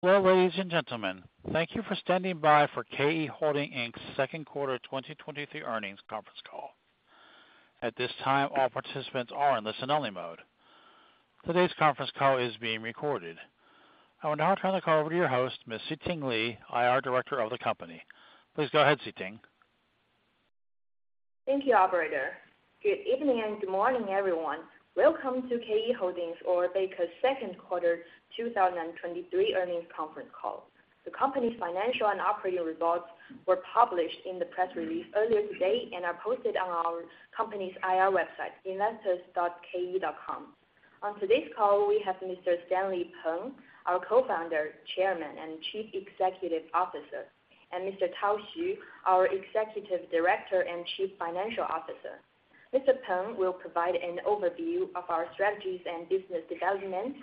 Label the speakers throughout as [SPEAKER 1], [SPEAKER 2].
[SPEAKER 1] Well, ladies and gentlemen, thank you for standing by for KE Holdings Inc.'s Q2 2023 earnings conference call. At this time, all participants are in listen-only mode. Today's conference call is being recorded. I will now turn the call over to your host, Ms. Siting Li, IR Director of the company. Please go ahead, Siting.
[SPEAKER 2] Thank you, operator. Good evening and good morning, everyone. Welcome to KE Holdings or Beike's Q2 2023 earnings conference call. The company's financial and operating results were published in the press release earlier today and are posted on our company's IR website, investors.ke.com. On today's call, we have Mr. Stanley Peng, our Co-founder, Chairman, and Chief Executive Officer, and Mr. Tao Xu, our Executive Director and Chief Financial Officer. Mr. Peng will provide an overview of our strategies and business development,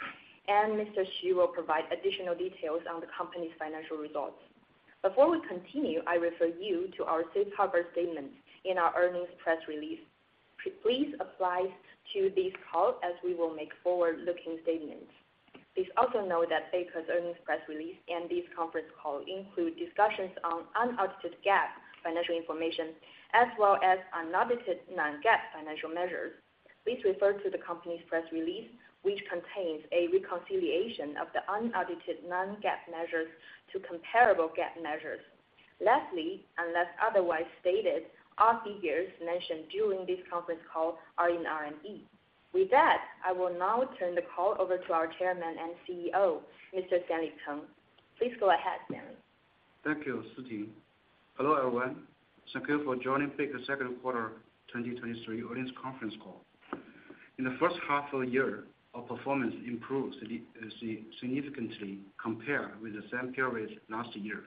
[SPEAKER 2] and Mr. Xu will provide additional details on the company's financial results. Before we continue, I refer you to our safe harbor statement in our earnings press release. Please apply to this call as we will make forward-looking statements. Please also note that Beike's earnings press release and this conference call include discussions on unaudited GAAP financial information, as well as unaudited Non-GAAP financial measures. Please refer to the company's press release, which contains a reconciliation of the unaudited Non-GAAP measures to comparable GAAP measures. Lastly, unless otherwise stated, all figures mentioned during this conference call are in RMB. With that, I will now turn the call over to our Chairman and CEO, Mr. Stanley Peng. Please go ahead, Stanley.
[SPEAKER 3] Thank you, Siting. Hello, everyone. Thank you for joining Beike's Q2 2023 earnings conference call. In the first half of the year, our performance improved significantly compared with the same period last year,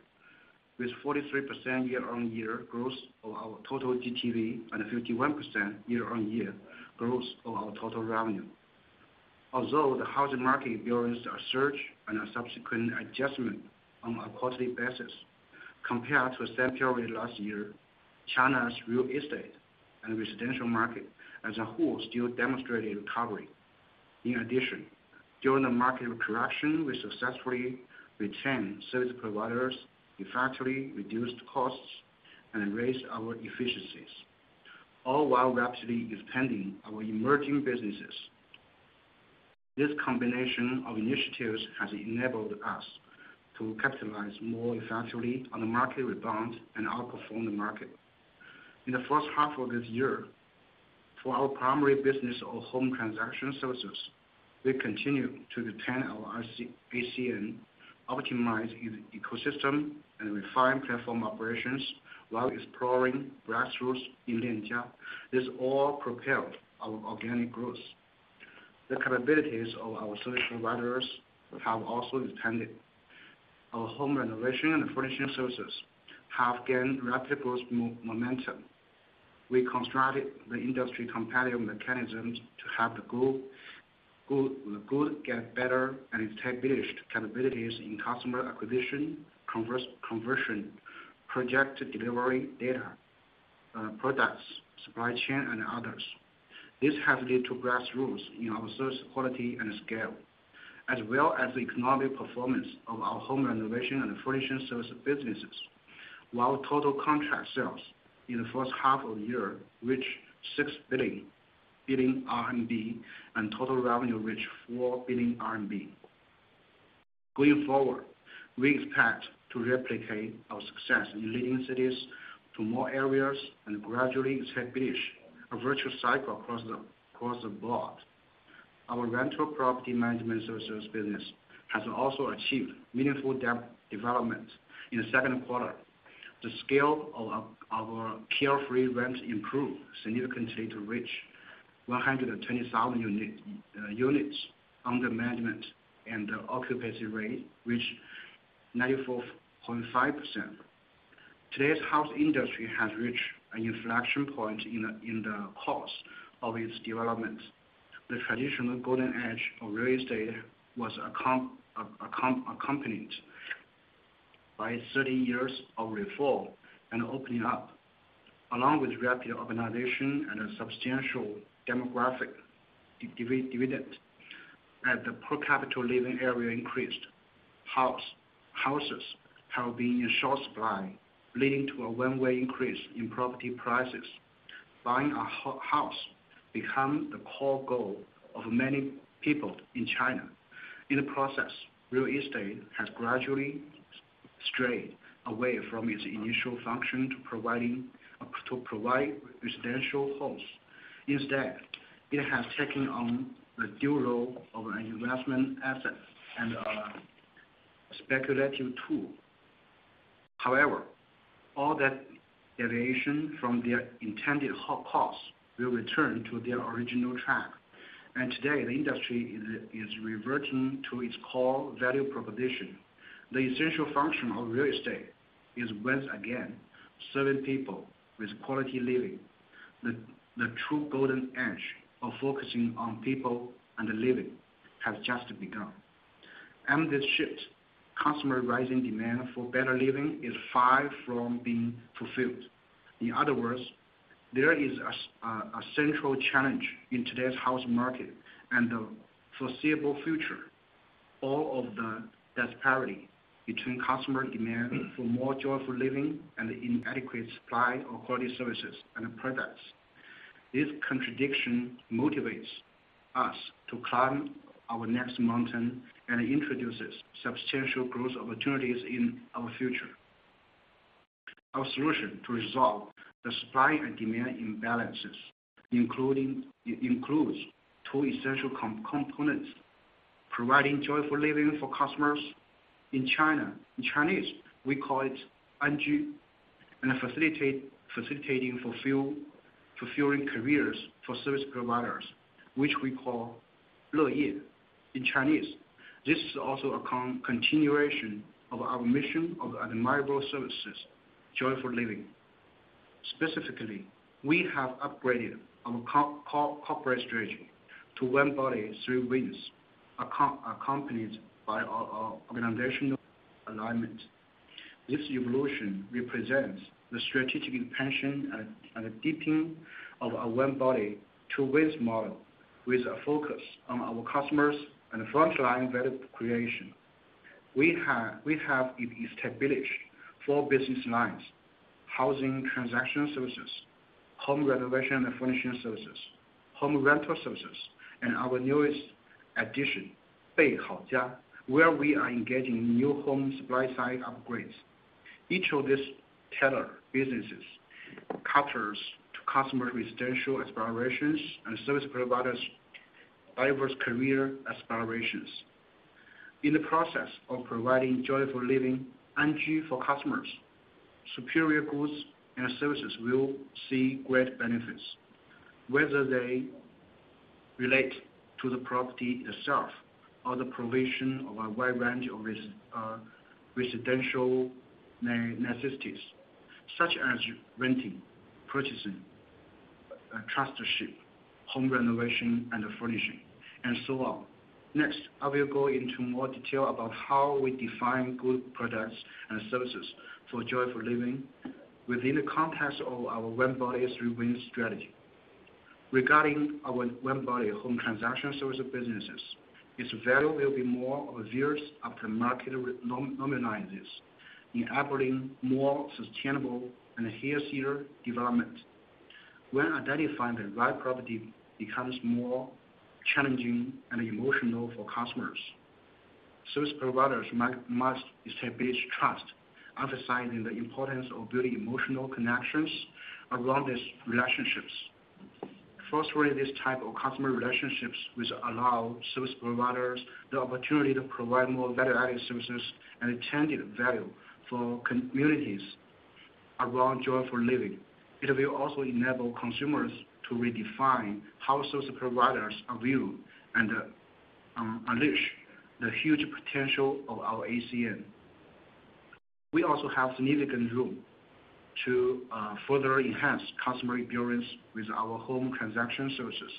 [SPEAKER 3] with 43% year-on-year growth of our total GTV and a 51% year-on-year growth of our total revenue. Although the housing market experienced a surge and a subsequent adjustment on a quarterly basis, compared to the same period last year, China's real estate and residential market as a whole still demonstrated recovery. In addition, during the market correction, we successfully retained service providers, effectively reduced costs, and raised our efficiencies, all while rapidly expanding our emerging businesses. This combination of initiatives has enabled us to capitalize more effectively on the market rebound and outperform the market. In the first half of this year, for our primary business of home transaction services, we continued to retain our ACN, optimize ecosystem, and refine platform operations while exploring growth in Lianjia. This all propelled our organic growth. The capabilities of our service providers have also expanded. Our home renovation and furnishing services have gained rapid growth momentum. We constructed the industry competitive mechanisms to have the good get better and established capabilities in customer acquisition, conversion, project delivery, data, products, supply chain, and others. This has led to growth in our service quality and scale, as well as the economic performance of our home renovation and furnishing service businesses. While total contract sales in the first half of the year reached 6 billion, and total revenue reached 4 billion RMB. Going forward, we expect to replicate our success in leading cities to more areas and gradually establish a virtuous cycle across the board. Our rental property management services business has also achieved meaningful development. In the Q2, the scale of our Carefree Rent improved significantly to reach 120,000 units under management, and the occupancy rate reached 94.5%. Today's housing industry has reached an inflection point in the course of its development. The traditional golden age of real estate was accompanied by 30 years of reform and opening up, along with rapid urbanization and a substantial demographic dividend. As the per capita living area increased, houses have been in short supply, leading to a one-way increase in property prices. Buying a house became the core goal of many people in China. In the process, real estate has gradually strayed away from its initial function to providing to provide residential homes. Instead, it has taken on the dual role of an investment asset and a speculative tool. However, all that deviation from their intended course will return to their original track, and today, the industry is reverting to its core value proposition. The essential function of real estate is once again serving people with quality living. The true golden age of focusing on people and living has just begun. Amidst this shift, customer rising demand for better living is far from being fulfilled. In other words... There is a central challenge in today's house market and the foreseeable future. All of the disparity between customer demand for more joyful living and the inadequate supply of quality services and products. This contradiction motivates us to climb our next mountain and introduces substantial growth opportunities in our future. Our solution to resolve the supply and demand imbalances includes two essential components: providing joyful living for customers in China. In Chinese, we call it Anju, and facilitating fulfilling careers for service providers, which we call Leye in Chinese. This is also a continuation of our mission of admirable services, joyful living. Specifically, we have upgraded our corporate strategy to One Body, Three Wings, accompanied by our organizational alignment. This evolution represents the strategic intention and a deepening of our one body, two wings model, with a focus on our customers and frontline value creation. We have, we have established four business lines, housing transaction services, home renovation and furnishing services, home rental services, and our newest addition, Beihaojia, where we are engaging in new home supply-side upgrades. Each of these tailored businesses caters to customers' residential aspirations and service providers' diverse career aspirations. In the process of providing joyful living, Anju, for customers, superior goods and services will see great benefits, whether they relate to the property itself or the provision of a wide range of residential necessities, such as renting, purchasing, trusteeship, home renovation, and furnishing, and so on. Next, I will go into more detail about how we define good products and services for joyful living within the context of our One Body, Three Wings strategy. Regarding our one body, home transaction services businesses, its value will be more obvious after market normalizes, enabling more sustainable and healthier development. When identifying the right property becomes more challenging and emotional for customers, service providers must establish trust, emphasizing the importance of building emotional connections around these relationships. Foster this type of customer relationships, which allow service providers the opportunity to provide more value-added services and add value for communities around joyful living. It will also enable consumers to redefine how service providers are viewed and unleash the huge potential of our ACN. We also have significant room to further enhance customer experience with our home transaction services.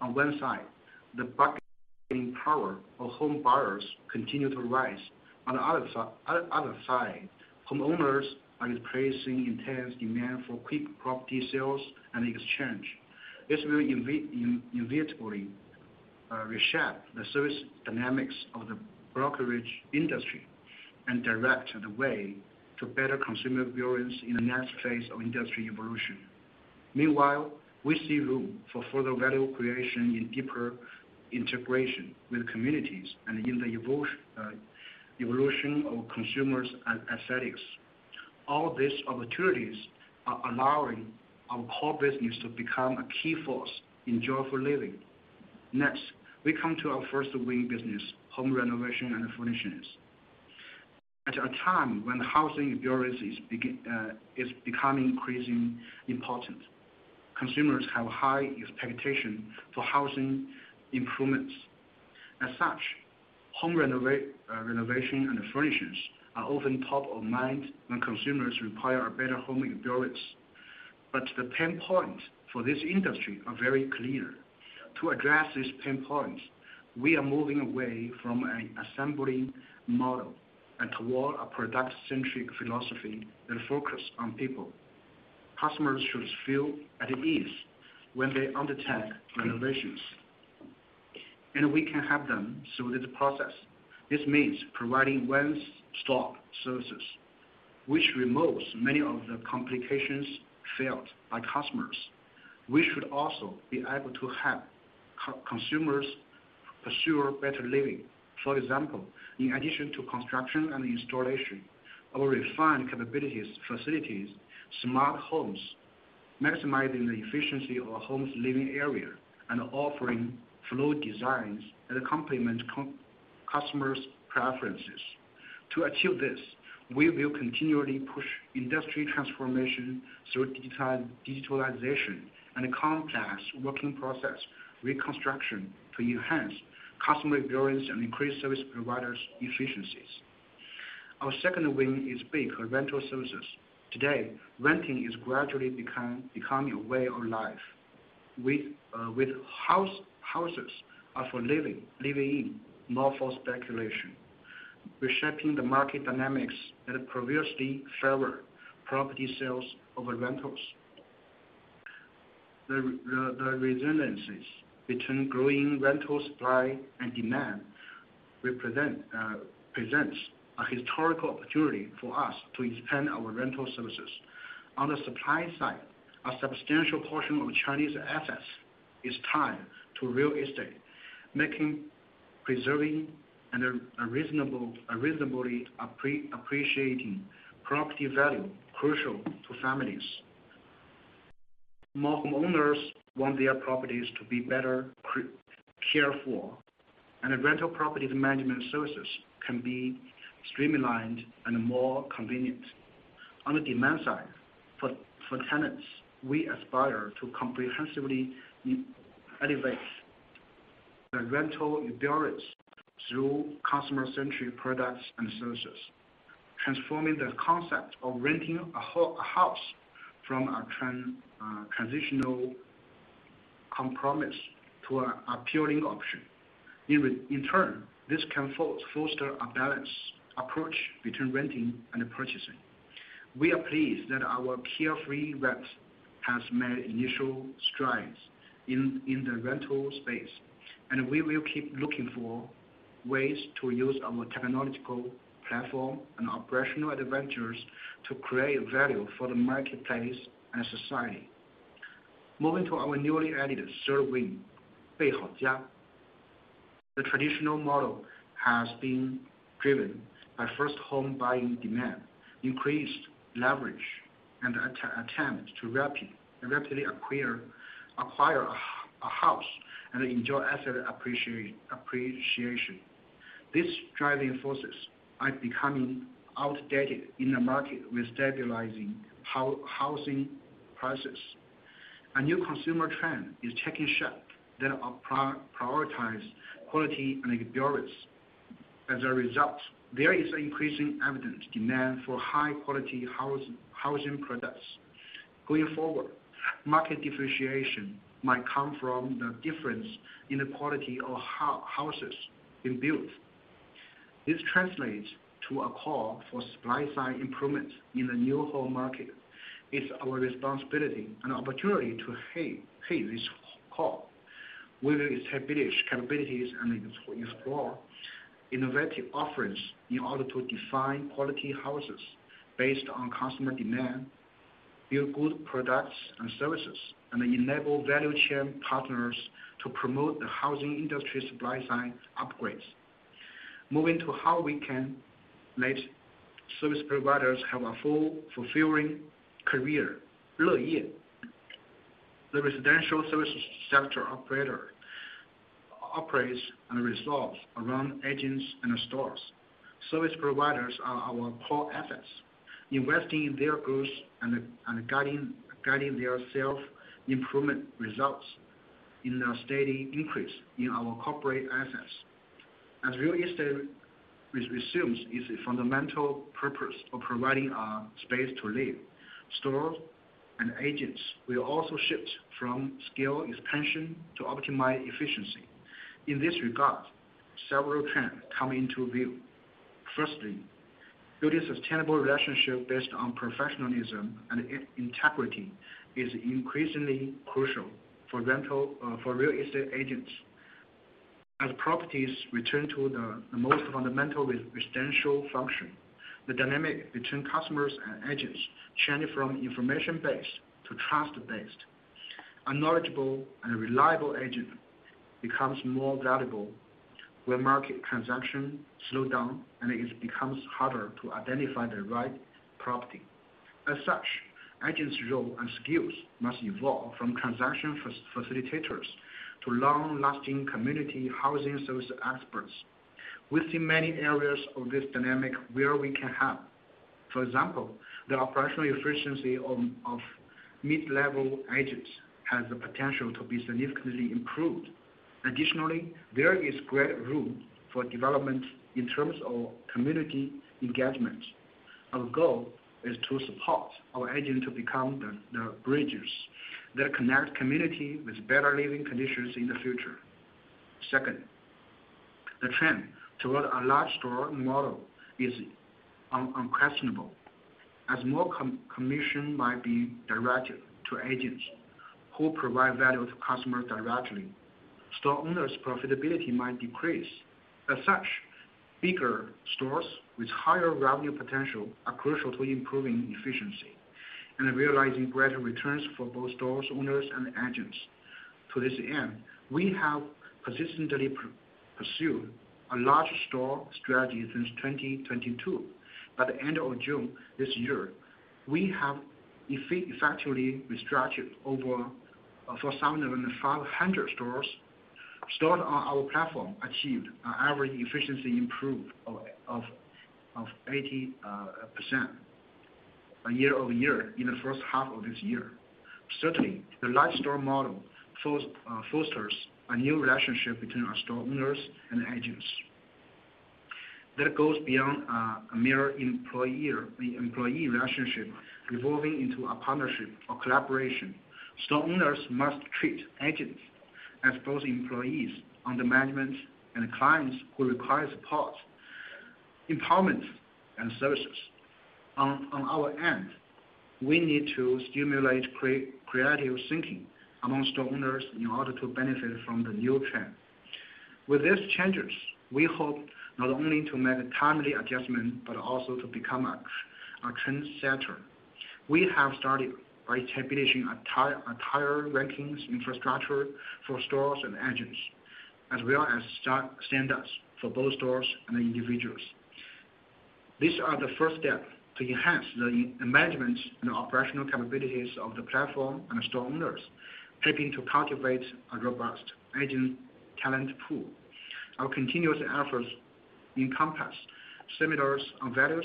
[SPEAKER 3] On one side, the bargaining power of home buyers continue to rise. On the other side, homeowners are facing intense demand for quick property sales and exchange. This will inevitably reshape the service dynamics of the brokerage industry and direct the way to better consumer experience in the next phase of industry evolution. Meanwhile, we see room for further value creation in deeper integration with communities and in the evolution of consumers and aesthetics. All these opportunities are allowing our core business to become a key force in joyful living. Next, we come to our first wing business, home renovation and furnishings. At a time when housing experience is becoming increasingly important, consumers have high expectation for housing improvements. As such, home renovation and furnishings are often top of mind when consumers require a better home experience. But the pain points for this industry are very clear. To address these pain points, we are moving away from an assembling model and toward a product-centric philosophy that focuses on people. Customers should feel at ease when they undertake renovations, and we can help them through this process. This means providing one-stop services, which removes many of the complications felt by customers. We should also be able to help consumers pursue better living. For example, in addition to construction and installation, our refined capabilities, facilities, smart homes, maximizing the efficiency of a home's living area, and offering fluid designs that complement customers' preferences. To achieve this, we will continually push industry transformation through digitalization and complex working process reconstruction to enhance customer experience and increase service providers' efficiencies. Our second wing is Beike rental services. Today, renting is gradually becoming a way of life, with houses are for living in, not for speculation... reshaping the market dynamics that previously favor property sales over rentals. The resilience between growing rental supply and demand represents a historical opportunity for us to expand our rental services. On the supply side, a substantial portion of Chinese assets is tied to real estate, making preserving and a reasonably appreciating property value crucial to families. More home owners want their properties to be better cared for, and rental property management services can be streamlined and more convenient. On the demand side, for tenants, we aspire to comprehensively elevate the rental experience through customer-centric products and services, transforming the concept of renting a house from a transitional compromise to an appealing option. In turn, this can foster a balanced approach between renting and purchasing. We are pleased that our Carefree Rent has made initial strides in the rental space, and we will keep looking for ways to use our technological platform and operational advantages to create value for the marketplace and society. Moving to our newly added third wing, Beihaojia. The traditional model has been driven by first home buying demand, increased leverage, and attempt to rapidly acquire a house and enjoy asset appreciation. These driving forces are becoming outdated in a market with stabilizing housing prices. A new consumer trend is taking shape that prioritize quality and experience. As a result, there is an increasing evident demand for high-quality housing products. Going forward, market differentiation might come from the difference in the quality of houses being built. This translates to a call for supply side improvements in the new home market. It's our responsibility and opportunity to heed this call. We will establish capabilities and explore innovative offerings in order to define quality houses based on customer demand, build good products and services, and enable value chain partners to promote the housing industry supply side upgrades. Moving to how we can let service providers have a full, fulfilling career, Lianjia. The residential service sector operator operates and revolves around agents and stores. Service providers are our core assets. Investing in their growth and guiding their self-improvement results in a steady increase in our corporate assets. As real estate resumes its fundamental purpose of providing a space to live, stores and agents will also shift from scale expansion to optimize efficiency. In this regard, several trends come into view. Firstly, building a sustainable relationship based on professionalism and integrity is increasingly crucial for rental, for real estate agents. As properties return to the most fundamental residential function, the dynamic between customers and agents change from information-based to trust-based. A knowledgeable and reliable agent becomes more valuable when market transactions slow down, and it becomes harder to identify the right property. As such, agents' role and skills must evolve from transaction facilitators to long-lasting community housing service experts. We see many areas of this dynamic where we can help. For example, the operational efficiency of mid-level agents has the potential to be significantly improved. Additionally, there is great room for development in terms of community engagement. Our goal is to support our agents to become the bridges that connect community with better living conditions in the future. Second, the trend toward a large store model is unquestionable. As more commission might be directed to agents who provide value to customers directly, store owners' profitability might decrease. As such, bigger stores with higher revenue potential are crucial to improving efficiency and realizing greater returns for both store owners and agents. To this end, we have persistently pursued a large store strategy since 2022. By the end of June this year, we have effectively restructured over 4,500 stores. Stores on our platform achieved an average efficiency improvement of 80%, year-over-year in the first half of this year. Certainly, the large store model fosters a new relationship between our store owners and agents that goes beyond a mere employer-employee relationship, evolving into a partnership or collaboration. Store owners must treat agents-... as both employees and the management and clients who require support, empowerment, and services. On our end, we need to stimulate creative thinking among store owners in order to benefit from the new trend. With these changes, we hope not only to make a timely adjustment, but also to become a trendsetter. We have started by establishing entire rankings infrastructure for stores and agents, as well as standards for both stores and individuals. These are the first step to enhance the management and operational capabilities of the platform and store owners, helping to cultivate a robust agent talent pool. Our continuous efforts encompass seminars on values,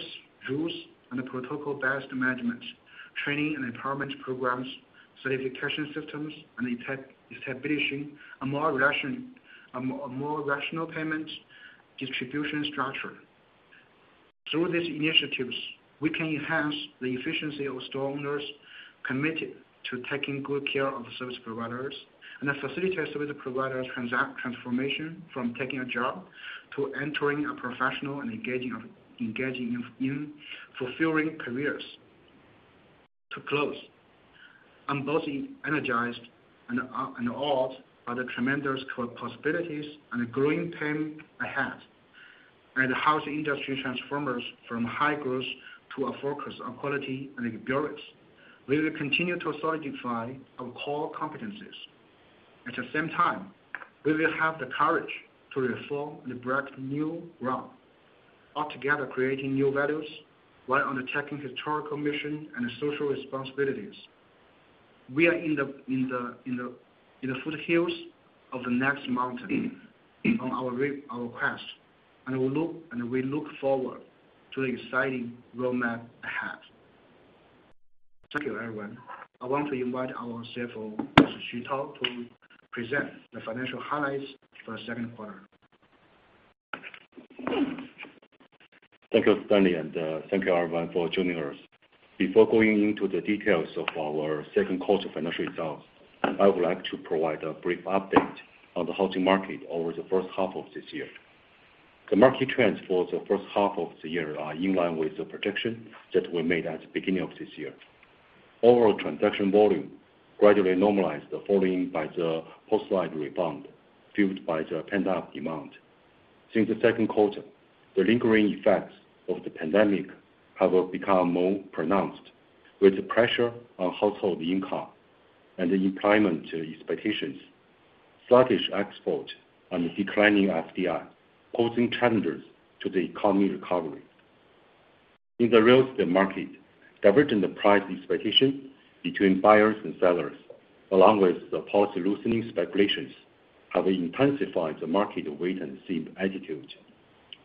[SPEAKER 3] rules, and a protocol-based management, training and empowerment programs, certification systems, and establishing a more rational payment distribution structure. Through these initiatives, we can enhance the efficiency of store owners committed to taking good care of service providers, and facilitate service providers' transformation from taking a job to entering a professional and engaging in fulfilling careers. To close, I'm both energized and awed by the tremendous possibilities and the growing pain ahead. As the housing industry transforms from high growth to a focus on quality and stability, we will continue to solidify our core competencies. At the same time, we will have the courage to reform and break new ground, altogether creating new values while undertaking historical mission and social responsibilities. We are in the foothills of the next mountain on our quest, and we look forward to the exciting roadmap ahead. Thank you, everyone. I want to invite our CFO, Mr. Xu Tao, to present the financial highlights for the Q2.
[SPEAKER 4] Thank you, Stanley, and thank you, everyone, for joining us. Before going into the details of our Q2 financial results, I would like to provide a brief update on the housing market over the first half of this year. The market trends for the first half of the year are in line with the projection that we made at the beginning of this year. Overall transaction volume gradually normalized following the post-COVID rebound, fueled by the pent-up demand. Since the Q2, the lingering effects of the pandemic have become more pronounced, with the pressure on household income and the employment expectations, sluggish export and declining FDI, posing challenges to the economy recovery. In the real estate market, divergent price expectation between buyers and sellers, along with the policy loosening speculations, have intensified the market wait-and-see attitude,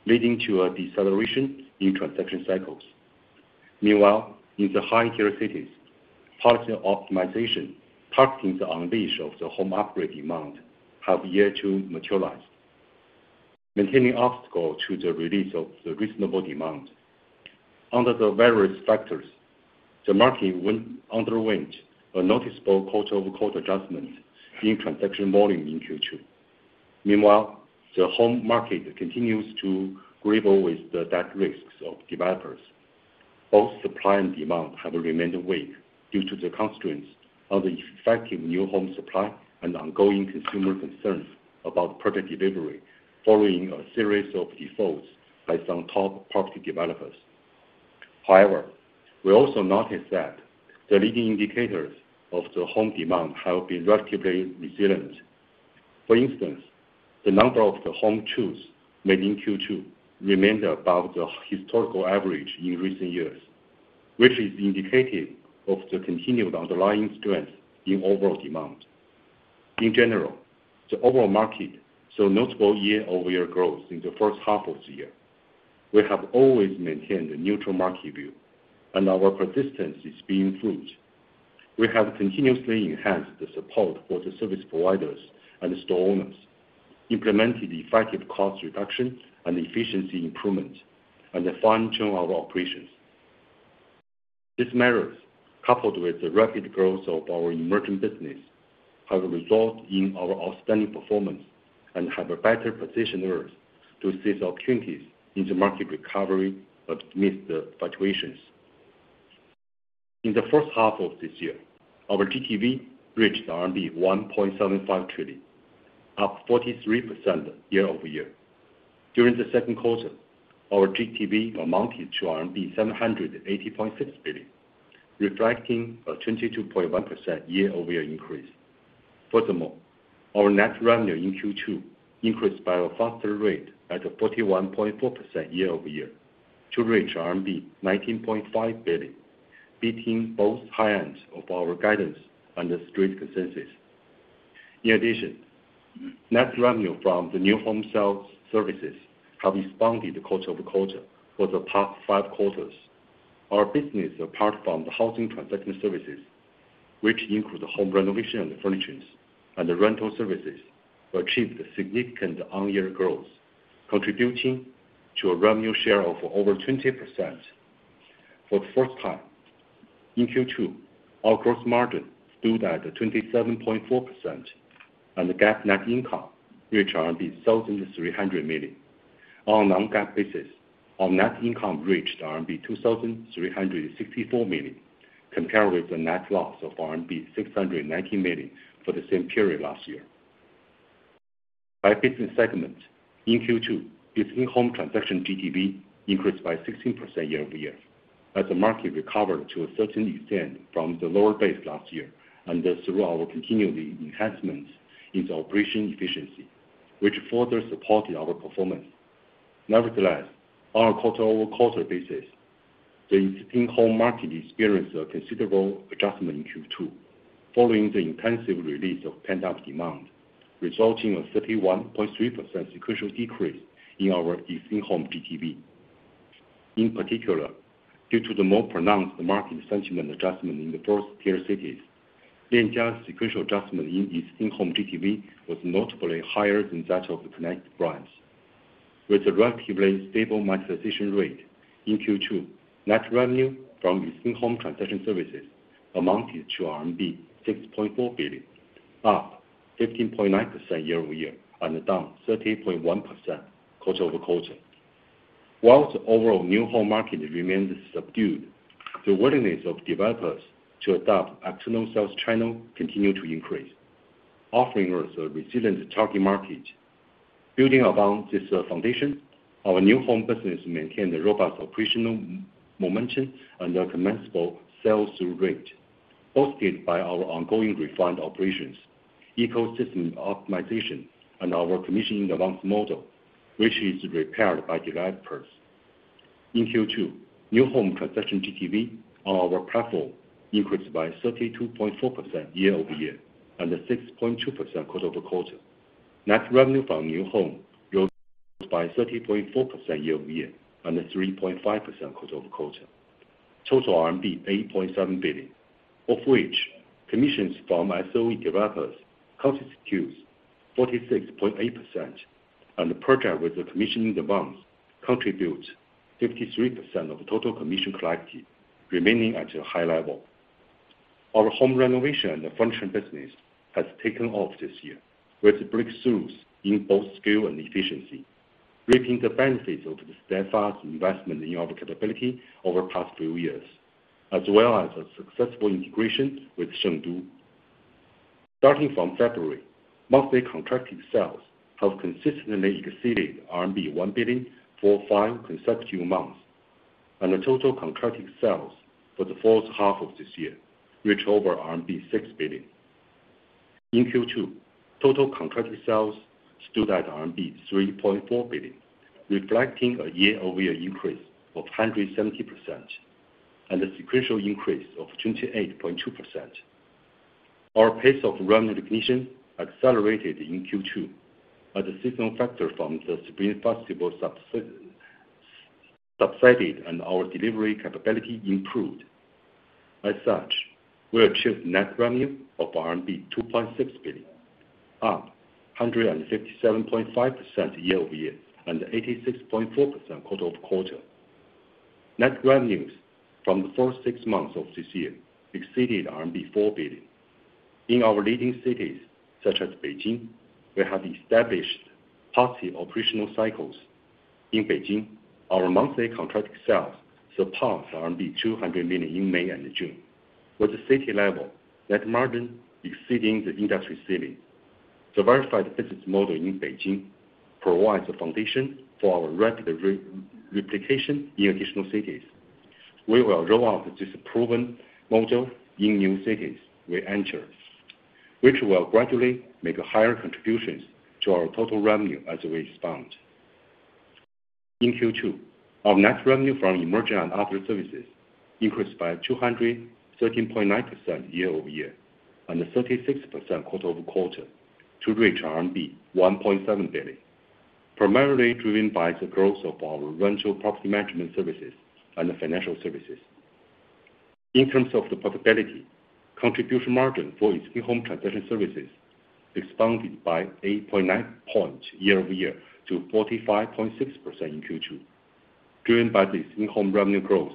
[SPEAKER 4] leading to a deceleration in transaction cycles. Meanwhile, in the high-tier cities, policy optimization targeting the unleashing of the home upgrade demand have yet to materialize, maintaining obstacle to the release of the reasonable demand. Under the various factors, the market underwent a noticeable quarter-over-quarter adjustment in transaction volume in Q2. Meanwhile, the home market continues to grapple with the debt risks of developers. Both supply and demand have remained weak due to the constraints of the effective new home supply and ongoing consumer concerns about project delivery, following a series of defaults by some top property developers. However, we also noticed that the leading indicators of the home demand have been relatively resilient. For instance, the number of the home choices made in Q2 remained above the historical average in recent years, which is indicative of the continued underlying strength in overall demand. In general, the overall market saw notable year-over-year growth in the first half of the year. We have always maintained a neutral market view, and our persistence is bearing fruit. We have continuously enhanced the support for the service providers and store owners, implemented effective cost reduction and efficiency improvement, and fine-tuned our operations. These measures, coupled with the rapid growth of our emerging business, have resulted in our outstanding performance and have better positioned us to seize opportunities in the market recovery amidst the fluctuations. In the first half of this year, our GTV reached RMB 1.75 trillion, up 43% year-over-year. During the Q2, our GTV amounted to RMB 780.6 billion, reflecting a 22.1% year-over-year increase. Furthermore, our net revenue in Q2 increased by a faster rate at a 41.4% year-over-year to reach 19.5 billion, beating both high ends of our guidance and the street consensus. In addition, net revenue from the new home sales services have expanded quarter-over-quarter for the past five quarters. Our business, apart from the housing transaction services, which include the home renovation and the furnishings and the rental services, achieved significant on-year growth, contributing to a revenue share of over 20%. For the first time, in Q2, our gross margin stood at 27.4%, and the GAAP net income reached 1.3 billion. On a Non-GAAP basis, our net income reached RMB 2.364 billion, compared with the net loss of RMB 690 million for the same period last year. By business segment, in Q2, its in-home transaction GTV increased by 16% year-over-year, as the market recovered to a certain extent from the lower base last year, and thus through our continuing enhancements in the operation efficiency, which further supported our performance. Nevertheless, on a quarter-over-quarter basis, the in-home market experienced a considerable adjustment in Q2, following the intensive release of pent-up demand, resulting in a 31.3% sequential decrease in our in-home GTV. In particular, due to the more pronounced market sentiment adjustment in the first-tier cities, the sequential adjustment in its in-home GTV was notably higher than that of the connected brands. With a relatively stable monetization rate, in Q2, net revenue from its in-home transaction services amounted to RMB 6.4 billion, up 15.9% year-over-year and down 13.1% quarter over quarter. While the overall new home market remains subdued, the willingness of developers to adopt external sales channel continue to increase, offering us a resilient target market. Building upon this foundation, our new home business maintained a robust operational momentum and a commensurable sales through rate, boosted by our ongoing refined operations, ecosystem optimization, and our commission in advance model, which is preferred by developers. In Q2, new home transaction GTV on our platform increased by 32.4% year-over-year, and 6.2% quarter-over-quarter. Net revenue from new home rose by 30.4% year-over-year, and 3.5% quarter-over-quarter. Total RMB 8.7 billion, of which commissions from SOE developers constitutes 46.8%, and the project with the commission in advance contributes 53% of total commission collected, remaining at a high level. Our home renovation and the furniture business has taken off this year, with breakthroughs in both scale and efficiency, reaping the benefits of the steadfast investment in our capability over the past few years, as well as a successful integration with Chengdu. Starting from February, monthly contracted sales have consistently exceeded RMB 1 billion for five consecutive months, and the total contracted sales for the first half of this year reached over RMB 6 billion. In Q2, total contracted sales stood at RMB 3.4 billion, reflecting a year-over-year increase of 170%, and a sequential increase of 28.2%. Our pace of revenue recognition accelerated in Q2, as the seasonal factor from the spring festival subsided, and our delivery capability improved. As such, we achieved net revenue of RMB 2.6 billion, up 157.5% year-over-year, and 86.4% quarter-over-quarter. Net revenues from the first six months of this year exceeded RMB 4 billion. In our leading cities, such as Beijing, we have established healthy operational cycles. In Beijing, our monthly contracted sales surpassed RMB 200 million in May and June, with the city level net margin exceeding the industry ceiling. The verified business model in Beijing provides a foundation for our rapid re-replication in additional cities. We will roll out this proven model in new cities we enter, which will gradually make higher contributions to our total revenue as we expand. In Q2, our net revenue from emerging and other services increased by 213.9% year-over-year, and 36% quarter-over-quarter to reach 1.7 billion, primarily driven by the growth of our rental property management services and the financial services. In terms of the profitability, contribution margin for our existing-home transaction services expanded by 8.9 points year-over-year to 45.6% in Q2, driven by the existing-home revenue growth,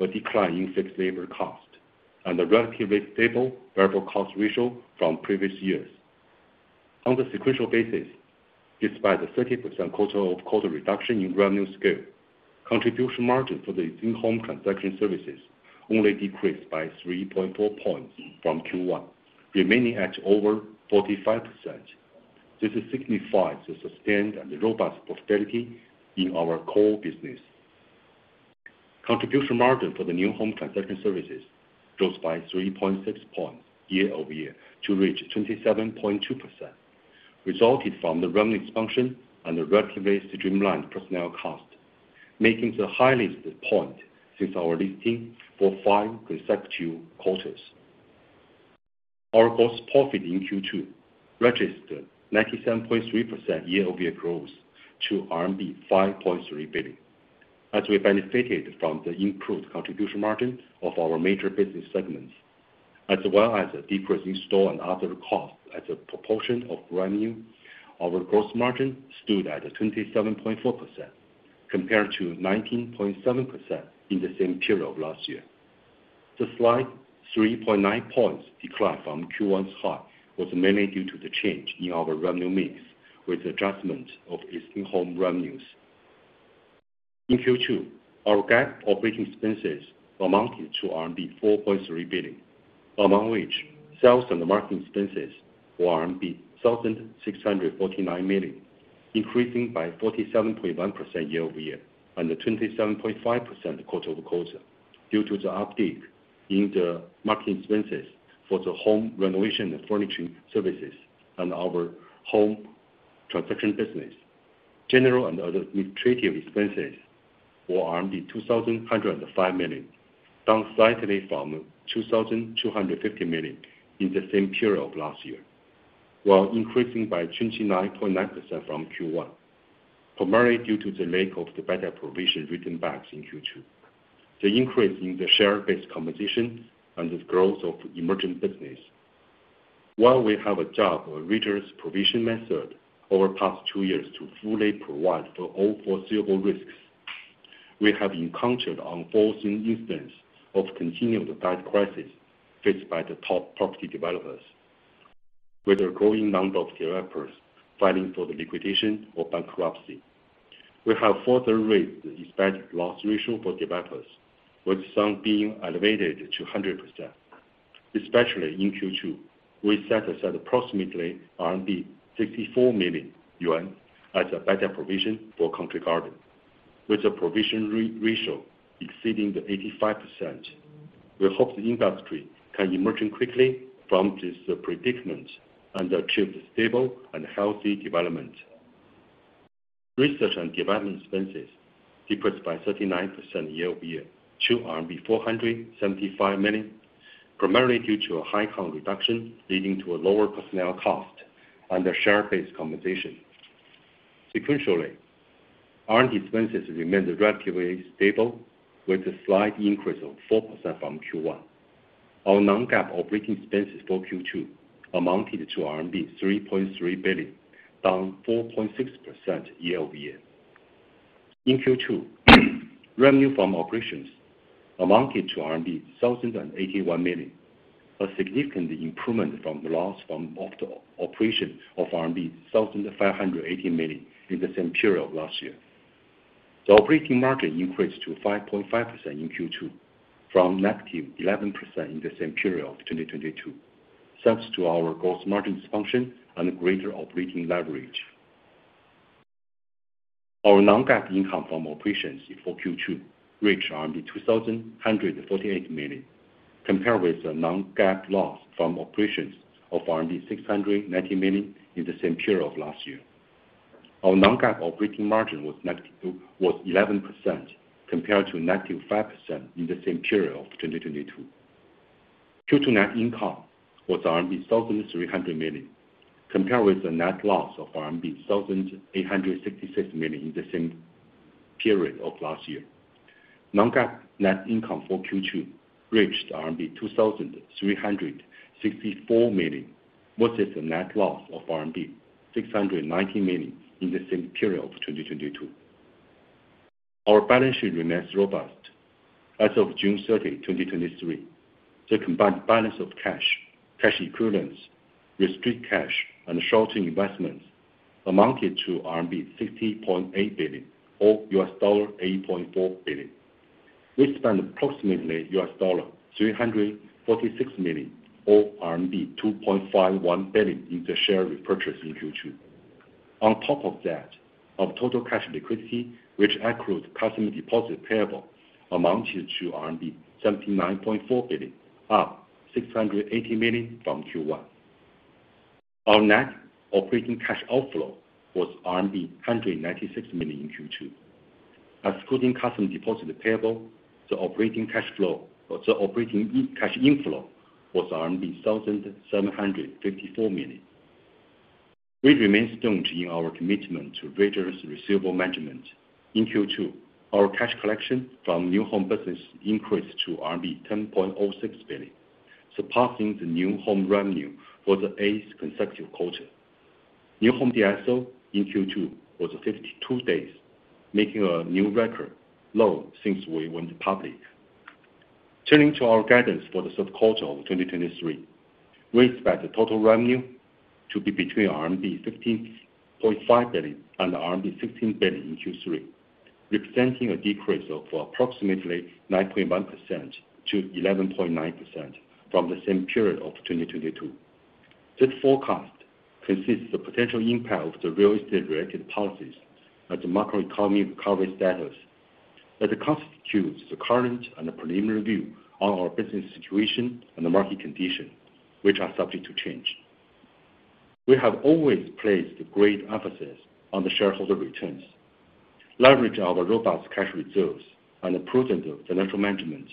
[SPEAKER 4] a decline in fixed labor cost, and a relatively stable variable cost ratio from previous years. On the sequential basis, despite the 30% quarter-over-quarter reduction in revenue scale, contribution margin for the existing-home transaction services only decreased by 3.4 points from Q1, remaining at over 45%. This signifies the sustained and robust profitability in our core business. Contribution margin for the new home transaction services rose by 3.6 points year-over-year to reach 27.2%, resulted from the revenue expansion and the relatively streamlined personnel cost, making the highest point since our listing for 5 consecutive quarters. Our gross profit in Q2 registered 97.3% year-over-year growth to RMB 5.3 billion, as we benefited from the improved contribution margin of our major business segments.... as well as a decrease in store and other costs as a proportion of revenue, our gross margin stood at 27.4%, compared to 19.7% in the same period of last year. The slight 3.9 points decline from Q1's high, was mainly due to the change in our revenue mix, with the adjustment of existing home revenues. In Q2, our GAAP operating expenses amounted to RMB 4.3 billion, among which sales and marketing expenses were RMB 1,649 million, increasing by 47.1% year-over-year, and a 27.5% quarter-over-quarter, due to the uptick in the marketing expenses for the home renovation and furnishing services and our home transaction business. General and other administrative expenses were 2,105 million, down slightly from 2,250 million in the same period of last year, while increasing by 29.9% from Q1, primarily due to the lack of the bad debt provision written backs in Q2. The increase in the share-based compensation and the growth of emerging business. While we have adopted a rigorous provision method over the past two years to fully provide for all foreseeable risks, we have encountered unforeseen instance of continued debt crisis faced by the top property developers, with a growing number of developers filing for the liquidation or bankruptcy. We have further raised the expected loss ratio for developers, with some being elevated to 100%. Especially in Q2, we set aside approximately 64 million yuan as a bad debt provision for Country Garden, with a provision ratio exceeding 85%. We hope the industry can emerge quickly from this predicament and achieve stable and healthy development. Research and development expenses decreased by 39% year-over-year to RMB 475 million, primarily due to a headcount reduction, leading to a lower personnel cost and a share-based compensation. Sequentially, R&D expenses remained relatively stable, with a slight increase of 4% from Q1. Our Non-GAAP operating expenses for Q2 amounted to RMB 3.3 billion, down 4.6% year-over-year. In Q2, revenue from operations amounted to RMB 1,081 million, a significant improvement from the loss from operations of RMB 1,580 million in the same period of last year. The operating margin increased to 5.5% in Q2 from -11% in the same period of 2022, thanks to our gross margin expansion and greater operating leverage. Our Non-GAAP income from operations for Q2 reached 248 million, compared with the Non-GAAP loss from operations of 690 million in the same period of last year. Our Non-GAAP operating margin was negative eleven percent, compared to negative 5% in the same period of 2022. Q2 net income was RMB 1,300 million, compared with the net loss of RMB 1,866 million in the same period of last year. Non-GAAP net income for Q2 reached RMB 2,364 million, versus the net loss of RMB 690 million in the same period of 2022. Our balance sheet remains robust. As of June 30th, 2023, the combined balance of cash, cash equivalents, restricted cash, and short-term investments amounted to RMB 60.8 billion, or $8.4 billion. We spent approximately $346 million, or 2.51 billion in the share repurchase in Q2. On top of that, our total cash liquidity, which accrues customer deposit payable, amounted to RMB 79.4 billion, up 680 million from Q1. Our net operating cash outflow was RMB 196 million in Q2. Excluding customer deposit payable, the operating cash flow, the operating cash inflow was 1,754 million. We remain staunch in our commitment to rigorous receivable management. In Q2, our cash collection from new home business increased to 10.06 billion, surpassing the new home revenue for the eighth consecutive quarter. New home DSO in Q2 was 52 days, making a new record low since we went public. Turning to our guidance for the Q3 of 2023. We expect the total revenue to be between 15.5 billion-16 billion RMB in Q3, representing a decrease of approximately 9.1%-11.9% from the same period of 2022. This forecast consists the potential impact of the real estate-related policies and the macroeconomy recovery status, that constitutes the current and the preliminary view on our business situation and the market condition, which are subject to change. We have always placed great emphasis on the shareholder returns, leverage our robust cash reserves, and improved financial management,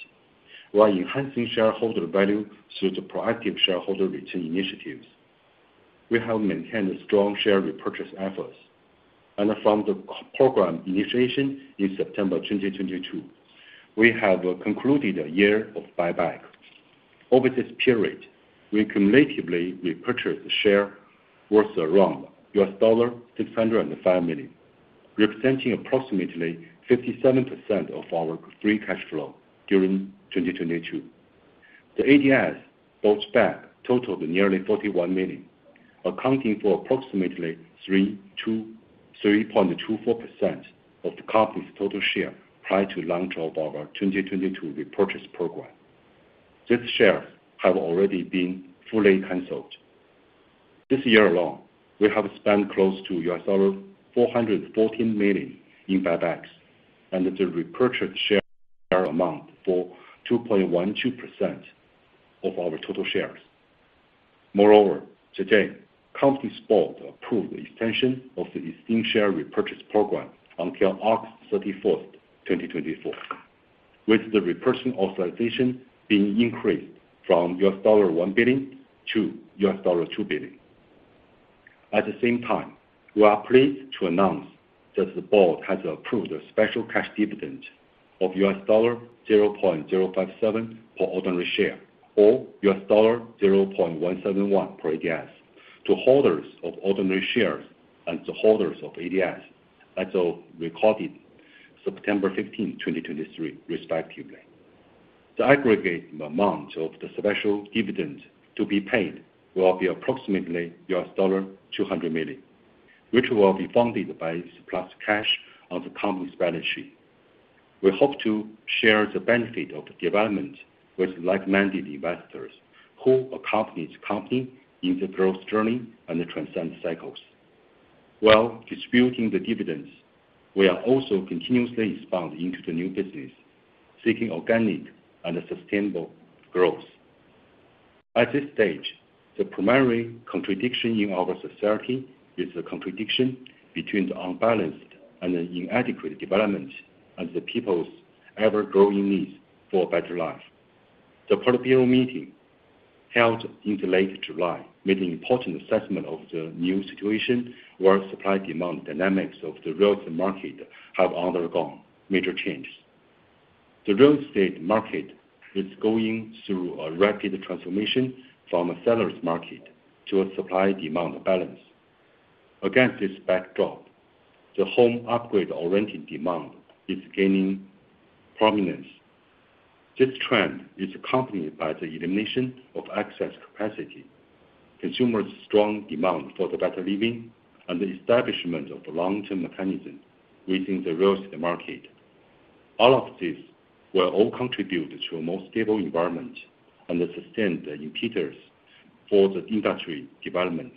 [SPEAKER 4] while enhancing shareholder value through the proactive shareholder return initiatives. We have maintained a strong share repurchase efforts. From the program initiation in September 2022, we have concluded a year of buyback. Over this period, we cumulatively repurchased the share worth around $605 million, representing approximately 57% of our free cash flow during 2022. The ADS bought back totaled nearly 41 million, accounting for approximately 3%-3.24% of the company's total share prior to the launch of our 2022 repurchase program. These shares have already been fully canceled. This year alone, we have spent close to $414 million in buybacks, and the repurchased share amount for 2.12% of our total shares. Moreover, today, company's board approved the extension of the existing share repurchase program until August 31, 2024, with the repurchasing authorization being increased from $1 billion-$2 billion. At the same time, we are pleased to announce that the board has approved a special cash dividend of $0.057 per ordinary share, or $0.171 per ADS, to holders of ordinary shares and to holders of ADS as of record September 15, 2023, respectively. The aggregate amount of the special dividend to be paid will be approximately $200 million, which will be funded by surplus cash on the company's balance sheet. We hope to share the benefit of the development with like-minded investors who accompany the company in the growth journey and transcend cycles. While distributing the dividends, we are also continuously expanding into the new business, seeking organic and sustainable growth. At this stage, the primary contradiction in our society is the contradiction between the unbalanced and the inadequate development and the people's ever-growing needs for a better life. The Politburo meeting, held in the late July, made an important assessment of the new situation, where supply-demand dynamics of the real estate market have undergone major changes. The real estate market is going through a rapid transformation from a seller's market to a supply-demand balance. Against this backdrop, the home upgrade-oriented demand is gaining prominence. This trend is accompanied by the elimination of excess capacity, consumers' strong demand for the better living, and the establishment of the long-term mechanism within the real estate market. All of these will all contribute to a more stable environment and sustain the impetus for the industry development.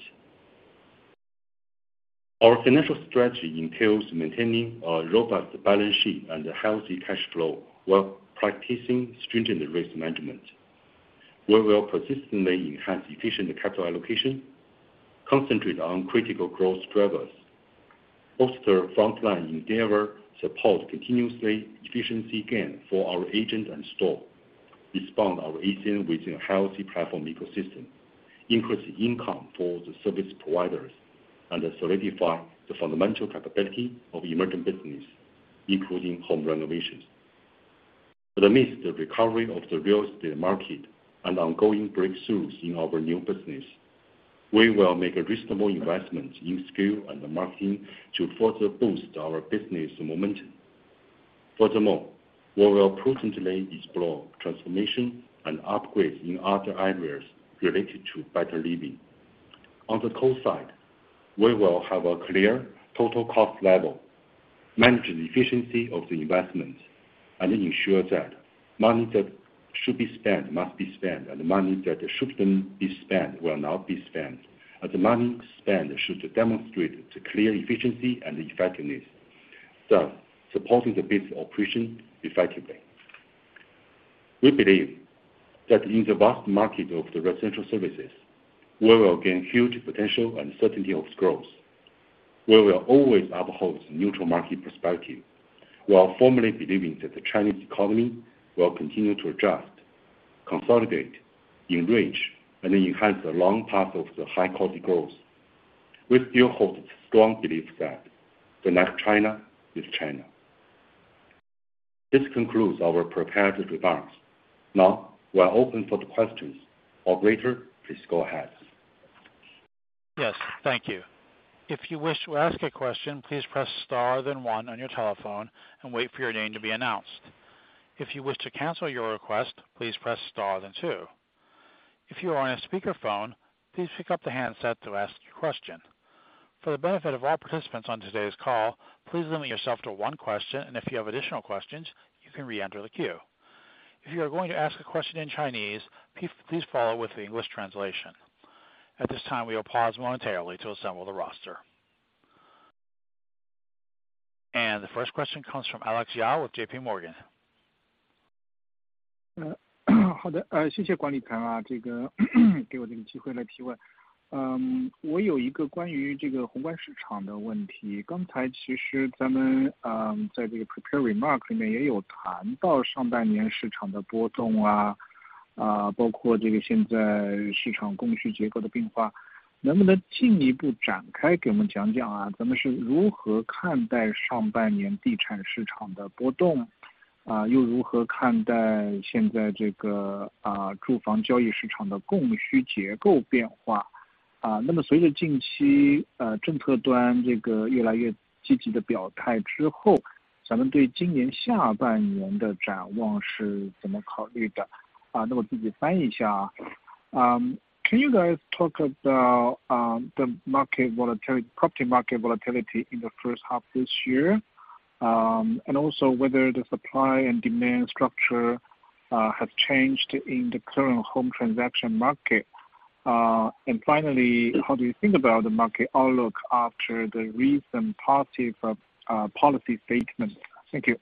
[SPEAKER 4] Our financial strategy entails maintaining a robust balance sheet and a healthy cash flow while practicing stringent risk management. We will persistently enhance efficient capital allocation, concentrate on critical growth drivers, foster frontline endeavor, support continuously efficiency gain for our agent and store, expand our agent with a healthy platform ecosystem, increase income for the service providers, and solidify the fundamental capability of emerging business, including home renovations. Amidst the recovery of the real estate market and ongoing breakthroughs in our new business, we will make a reasonable investment in scale and marketing to further boost our business momentum. Furthermore, we will prudently explore transformation and upgrades in other areas related to better living. On the cost side, we will have a clear total cost level, manage the efficiency of the investment, and ensure that money that should be spent must be spent, and the money that shouldn't be spent will not be spent, and the money spent should demonstrate the clear efficiency and effectiveness, thus supporting the business operation effectively. We believe that in the vast market of the residential services, we will gain huge potential and certainty of growth. We will always uphold neutral market perspective, while firmly believing that the Chinese economy will continue to adjust, consolidate, enrich, and enhance the long path of the high-quality growth. We still hold the strong belief that the next China is China. This concludes our prepared remarks. Now, we are open for the questions. Operator, please go ahead.
[SPEAKER 1] Yes, thank you. If you wish to ask a question, please press star, then one on your telephone and wait for your name to be announced. If you wish to cancel your request, please press star, then two. If you are on a speakerphone, please pick up the handset to ask your question. For the benefit of all participants on today's call, please limit yourself to one question, and if you have additional questions, you can re-enter the queue. If you are going to ask a question in Chinese, please follow with the English translation. At this time, we will pause momentarily to assemble the roster. The first question comes from Alex Yao with JP Morgan.
[SPEAKER 5] Thank you, management, for giving me this opportunity to ask a question. I have a question about the macro market. Just now, actually, in the prepared remarks, we also talked about the fluctuations in the market in the first half of the year, including the market supply and demand structure changes. Can you further elaborate and tell us how we view the half-year real estate market fluctuations? And how do we view the current residential transaction market's supply and demand structure? So with recent policy and this increasingly active statements, how do we look at the second half of the year outlook? So let me translate it. Can you guys talk about the market volatility, property market volatility in the first half this year, and also whether the supply and demand structure has changed in the current home transaction market? And finally, how do you think about the market outlook after the recent positive policy statement? Thank you.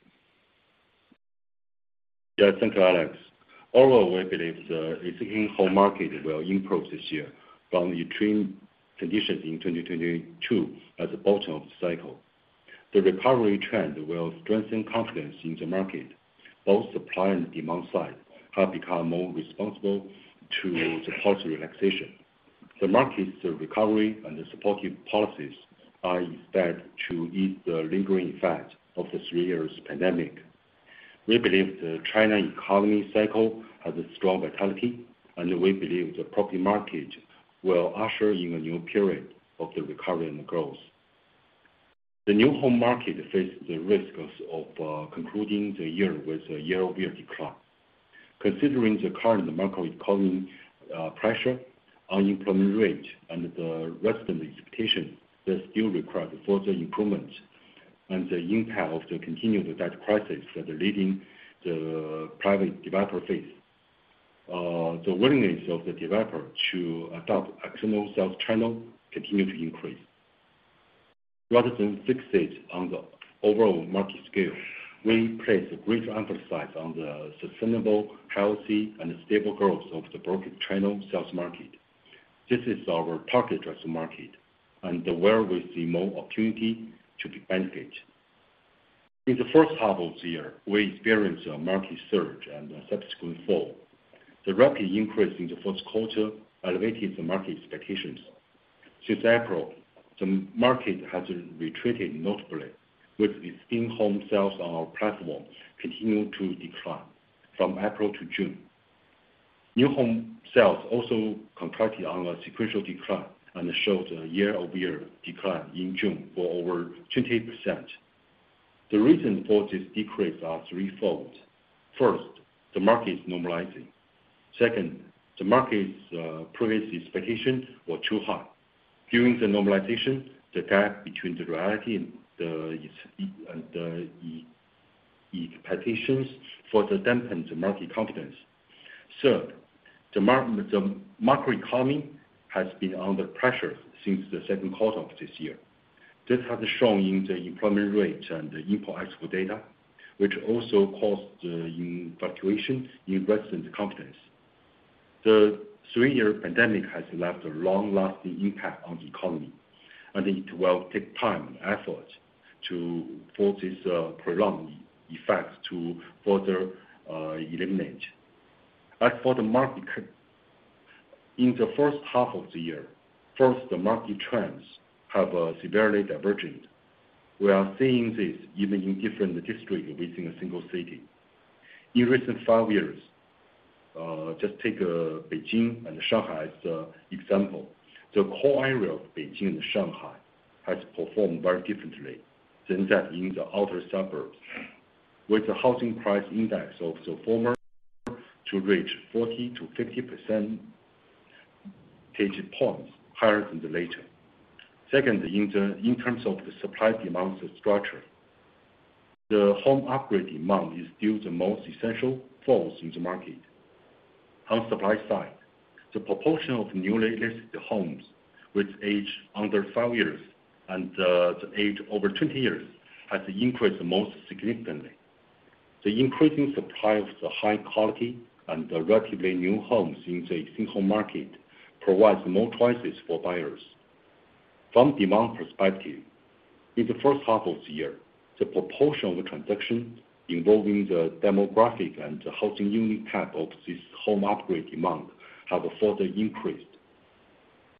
[SPEAKER 4] Yeah, thank you, Alex. Overall, we believe existing home market will improve this year from the trend conditions in 2022 at the bottom of the cycle. The recovery trend will strengthen confidence in the market. Both supply and demand side have become more responsible to the policy relaxation. The market's recovery and the supportive policies are expected to ease the lingering effect of the three years pandemic. We believe the China economy cycle has a strong vitality, and we believe the property market will usher in a new period of the recovery and growth. The new home market faces the risk of concluding the year with a year-over-year decline. Considering the current market economy pressure, unemployment rate, and the resident expectation, they still require further improvement and the impact of the continued debt crisis that are leading the private developer face. The willingness of the developer to adopt additional sales channel continues to increase. Rather than fixate on the overall market scale, we place a great emphasis on the sustainable, healthy, and stable growth of the broker channel sales market. This is our target drive market and where we see more opportunity to benefit. In the first half of the year, we experienced a market surge and a subsequent fall. The rapid increase in the Q1 elevated the market expectations. Since April, the market has retreated notably, with existing home sales on our platform continuing to decline from April to June. New home sales also contracted on a sequential decline and showed a year-over-year decline in June for over 28%. The reason for this decrease is threefold. First, the market is normalizing. Second, the market's previous expectations were too high. During the normalization, the gap between the reality and the expectations for the dampen the market confidence. Third, the macro economy has been under pressure since the Q2 of this year. This has shown in the employment rate and import, export data, which also caused the fluctuation in resident confidence. The 3-year pandemic has left a long-lasting impact on the economy, and it will take time and effort to force this prolonged effect to further eliminate. As for the market, in the first half of the year, first, the market trends have severely divergent. We are seeing this even in different districts within a single city. In recent 5 years, just take Beijing and Shanghai as an example. The core area of Beijing and Shanghai has performed very differently than that in the outer suburbs, with the housing price index of the former to reach 40-50 percentage points higher than the latter. Second, in the, in terms of the supply, demand structure, the home upgrade demand is still the most essential force in the market. On supply side, the proportion of new latest homes with age under 5 years and the age over 20 years has increased the most significantly. The increasing supply of the high quality and the relatively new homes in the single market provides more choices for buyers. From demand perspective, in the first half of the year, the proportion of the transaction involving the demographic and the housing unit type of this home upgrade demand have further increased.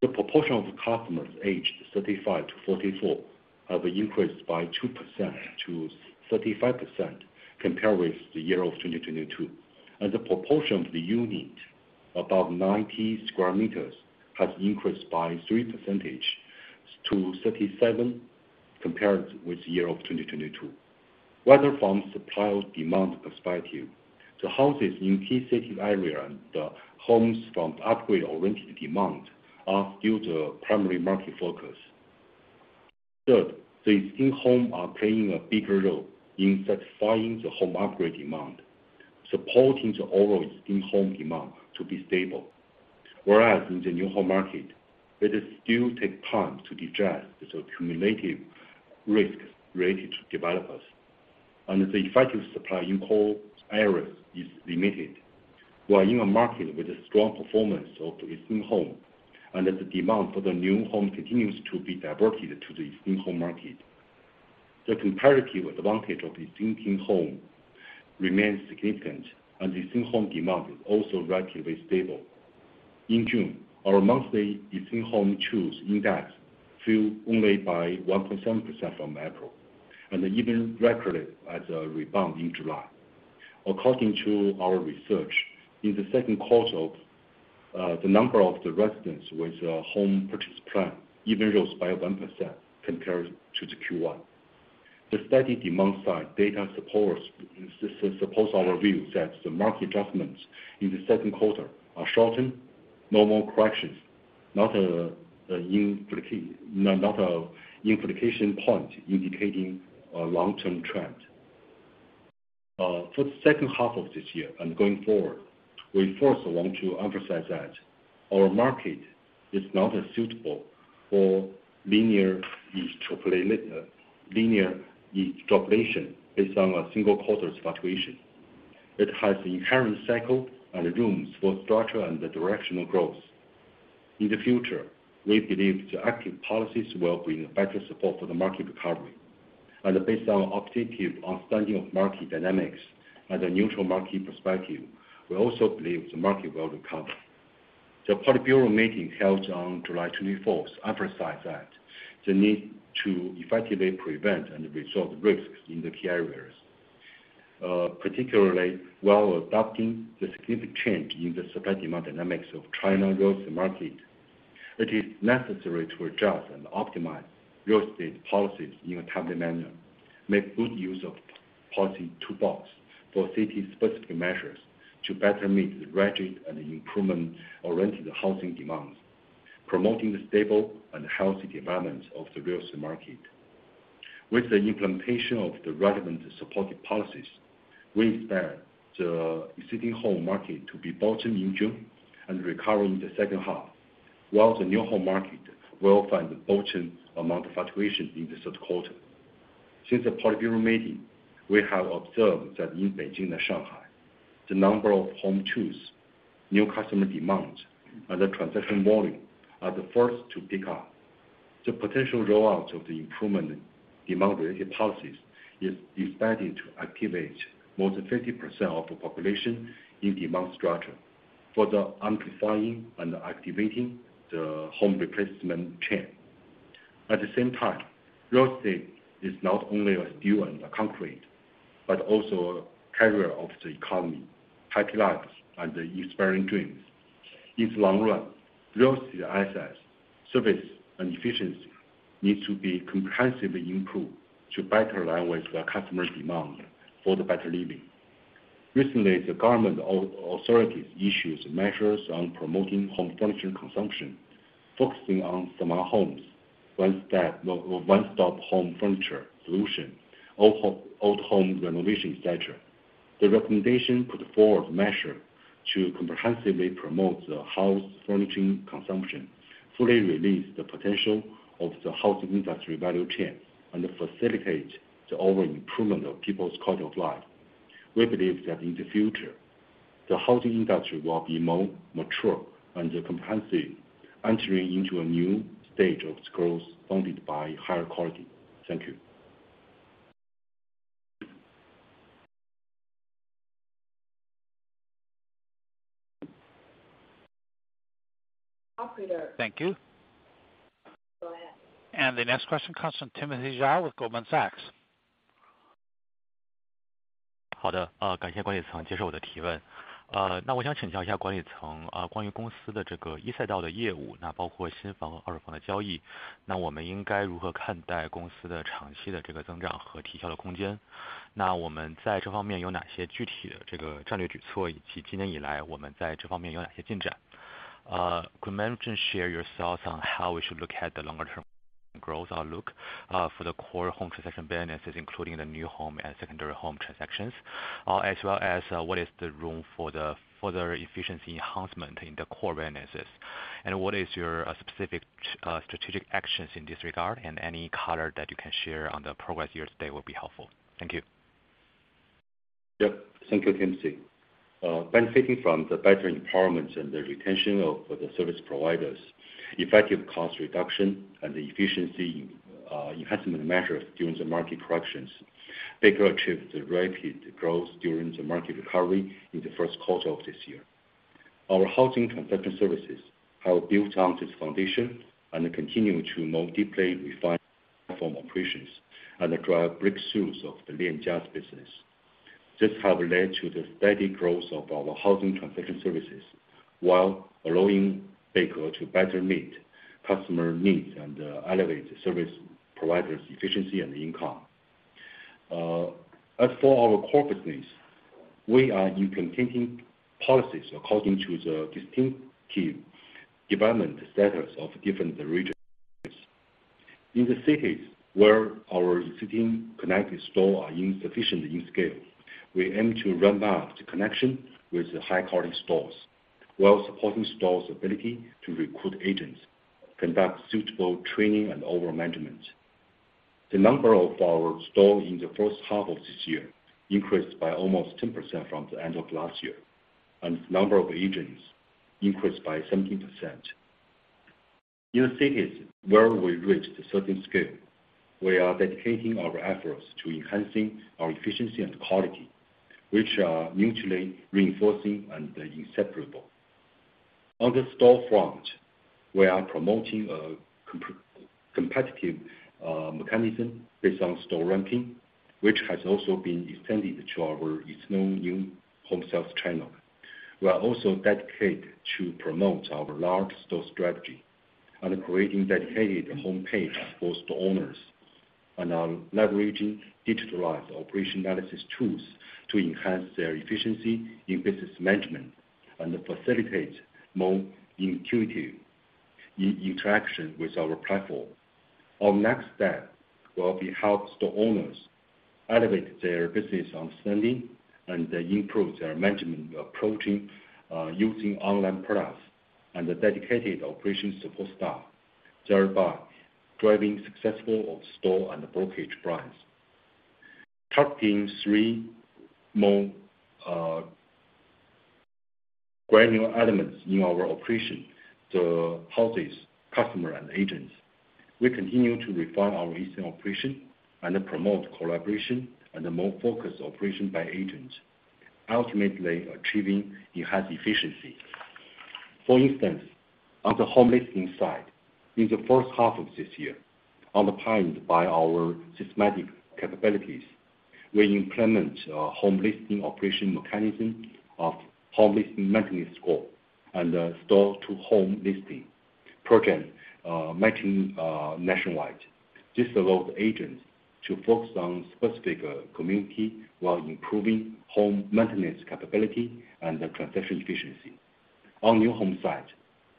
[SPEAKER 4] The proportion of customers aged 35-44 have increased by 2%-35% compared with the year of 2022. The proportion of the unit, about 90 square meters, has increased by three percentage to 37, compared with the year of 2022. Whether from supply or demand perspective, the houses in key city area and the homes from upgrade-oriented demand are still the primary market focus. Third, the existing home are playing a bigger role in satisfying the home upgrade demand, supporting the overall existing home demand to be stable. Whereas in the new home market, it will still take time to digest the cumulative risks related to developers, and the effective supply in core areas is limited. While in a market with a strong performance of the existing home, and as the demand for the new home continues to be diverted to the existing home market. The comparative advantage of existing home remains significant, and existing home demand is also relatively stable. In June, our monthly existing home tours index fell only by 1.7% from April, and even recorded a rebound in July. According to our research, in the Q2, the number of the residents with a home purchase plan even rose by 1% compared to the Q1. The steady demand side data supports, supports our view that the market adjustments in the Q2 are shortened, normal corrections, not a, a in- not a implication point indicating a long-term trend. For the second half of this year and going forward, we first want to emphasize that our market is not as suitable for linear extrapolation, linear extrapolation based on a single quarter's fluctuation. It has the inherent cycle and rooms for structure and the directional growth. In the future, we believe the active policies will bring better support for the market recovery. Based on our objective understanding of market dynamics and the neutral market perspective, we also believe the market will recover. The Politburo meeting, held on July 24th, emphasized that the need to effectively prevent and resolve risks in the key areas, particularly while adopting the significant change in the supply-demand dynamics of China real estate market. It is necessary to adjust and optimize real estate policies in a timely manner, make good use of policy toolbox for city-specific measures to better meet the rigid and improvement-oriented housing demands, promoting the stable and healthy development of the real estate market. With the implementation of the relevant supportive policies, we expect the existing home market to be bottom in June and recover in the second half, while the new home market will find a bottom among the fluctuation in the Q3. Since the Politburo meeting, we have observed that in Beijing and Shanghai, the number of home tours, new customer demands, and the transaction volume are the first to pick up. The potential rollout of the improvement demand-related policies is expected to activate more than 50% of the population in demand structure for the amplifying and activating the home replacement chain. At the same time, real estate is not only a steel and a concrete, but also a carrier of the economy, happy lives, and the inspiring dreams. In the long run, real estate assets, service, and efficiency needs to be comprehensively improved to better align with the customer demand for the better living. Recently, the government authorities issued measures on promoting home furniture consumption, focusing on smart homes, one-step, one-stop home furniture solution, old home renovation, et cetera. The recommendation put forward measure to comprehensively promote the house furnishing consumption, fully release the potential of the housing industry value chain, and facilitate the overall improvement of people's quality of life. We believe that in the future, the housing industry will be more mature and the comprehensive entering into a new stage of growth founded by higher quality. Thank you.
[SPEAKER 6] Operator.
[SPEAKER 1] Thank you.
[SPEAKER 6] Go ahead.
[SPEAKER 1] The next question comes from Timothy Zhao with Goldman Sachs.
[SPEAKER 7] 好的，感谢管理层接受我的提问。那我想请教一下管理层，关于公司的这个核心赛道的业务，那包括新房和二手房的交易，那我们应该如何看待公司的长期的这个增长和提高的空间？那我们在这方面有哪些具体的这个战略举措，以及今年以来我们在这方面有哪些进展？ Could management share your thoughts on how we should look at the longer-term growth outlook for the core home transaction businesses, including the new home and secondary home transactions, as well as what is the room for the further efficiency enhancement in the core businesses? What is your specific strategic actions in this regard, and any color that you can share on the progress year-to-date will be helpful? Thank you.
[SPEAKER 4] Yep. Thank you, Timothy. Benefiting from the better empowerment and the retention of the service providers, effective cost reduction and the efficiency enhancement measures during the market corrections, Beike achieved the rapid growth during the market recovery in the Q1 of this year. Our housing transaction services have built on this foundation and continue to more deeply refine form operations and drive breakthroughs of the Lianjia's business. This have led to the steady growth of our housing transaction services, while allowing Beike to better meet customer needs and elevate the service providers' efficiency and income. As for our core business, we are implementing policies according to the distinctive development status of different regions. In the cities where our existing connected stores are insufficiently in scale, we aim to ramp up the connection with the high-quality stores, while supporting stores' ability to recruit agents, conduct suitable training and overall management. The number of our stores in the first half of this year increased by almost 10% from the end of last year, and the number of agents increased by 17%.... In the cities where we reached a certain scale, we are dedicating our efforts to enhancing our efficiency and quality, which are mutually reinforcing and inseparable. On the storefront, we are promoting a competitive mechanism based on store ranking, which has also been extended to our external new home sales channel. We are also dedicated to promote our large store strategy and creating dedicated homepage for store owners, and are leveraging digitalized operation analysis tools to enhance their efficiency in business management and facilitate more intuitive interaction with our platform. Our next step will be help store owners elevate their business understanding and improve their management approaching, using online products and a dedicated operation support staff, thereby driving successful of store and brokerage brands. Tapping three more granular elements in our operation, the houses, customer, and agents. We continue to refine our recent operation and promote collaboration and a more focused operation by agents, ultimately achieving enhanced efficiency. For instance, on the home listing side, in the first half of this year, underpinned by our systematic capabilities, we implement a home listing operation mechanism of home listing maintenance score and a store to home listing program, matching, nationwide. This allows agents to focus on specific, community while improving home maintenance capability and the transaction efficiency. On new home side,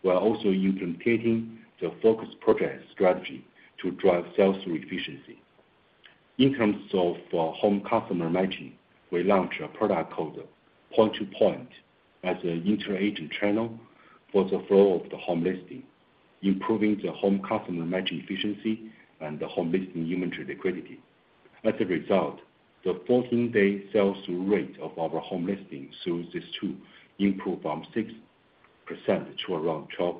[SPEAKER 4] we are also implementing the focused project strategy to drive sales through efficiency. In terms of home customer matching, we launched a product called Point to Point as an inter-agent channel for the flow of the home listing, improving the home customer matching efficiency and the home listing inventory liquidity. As a result, the 14-day sell-through rate of our home listing through this tool improved from 6% to around 12%.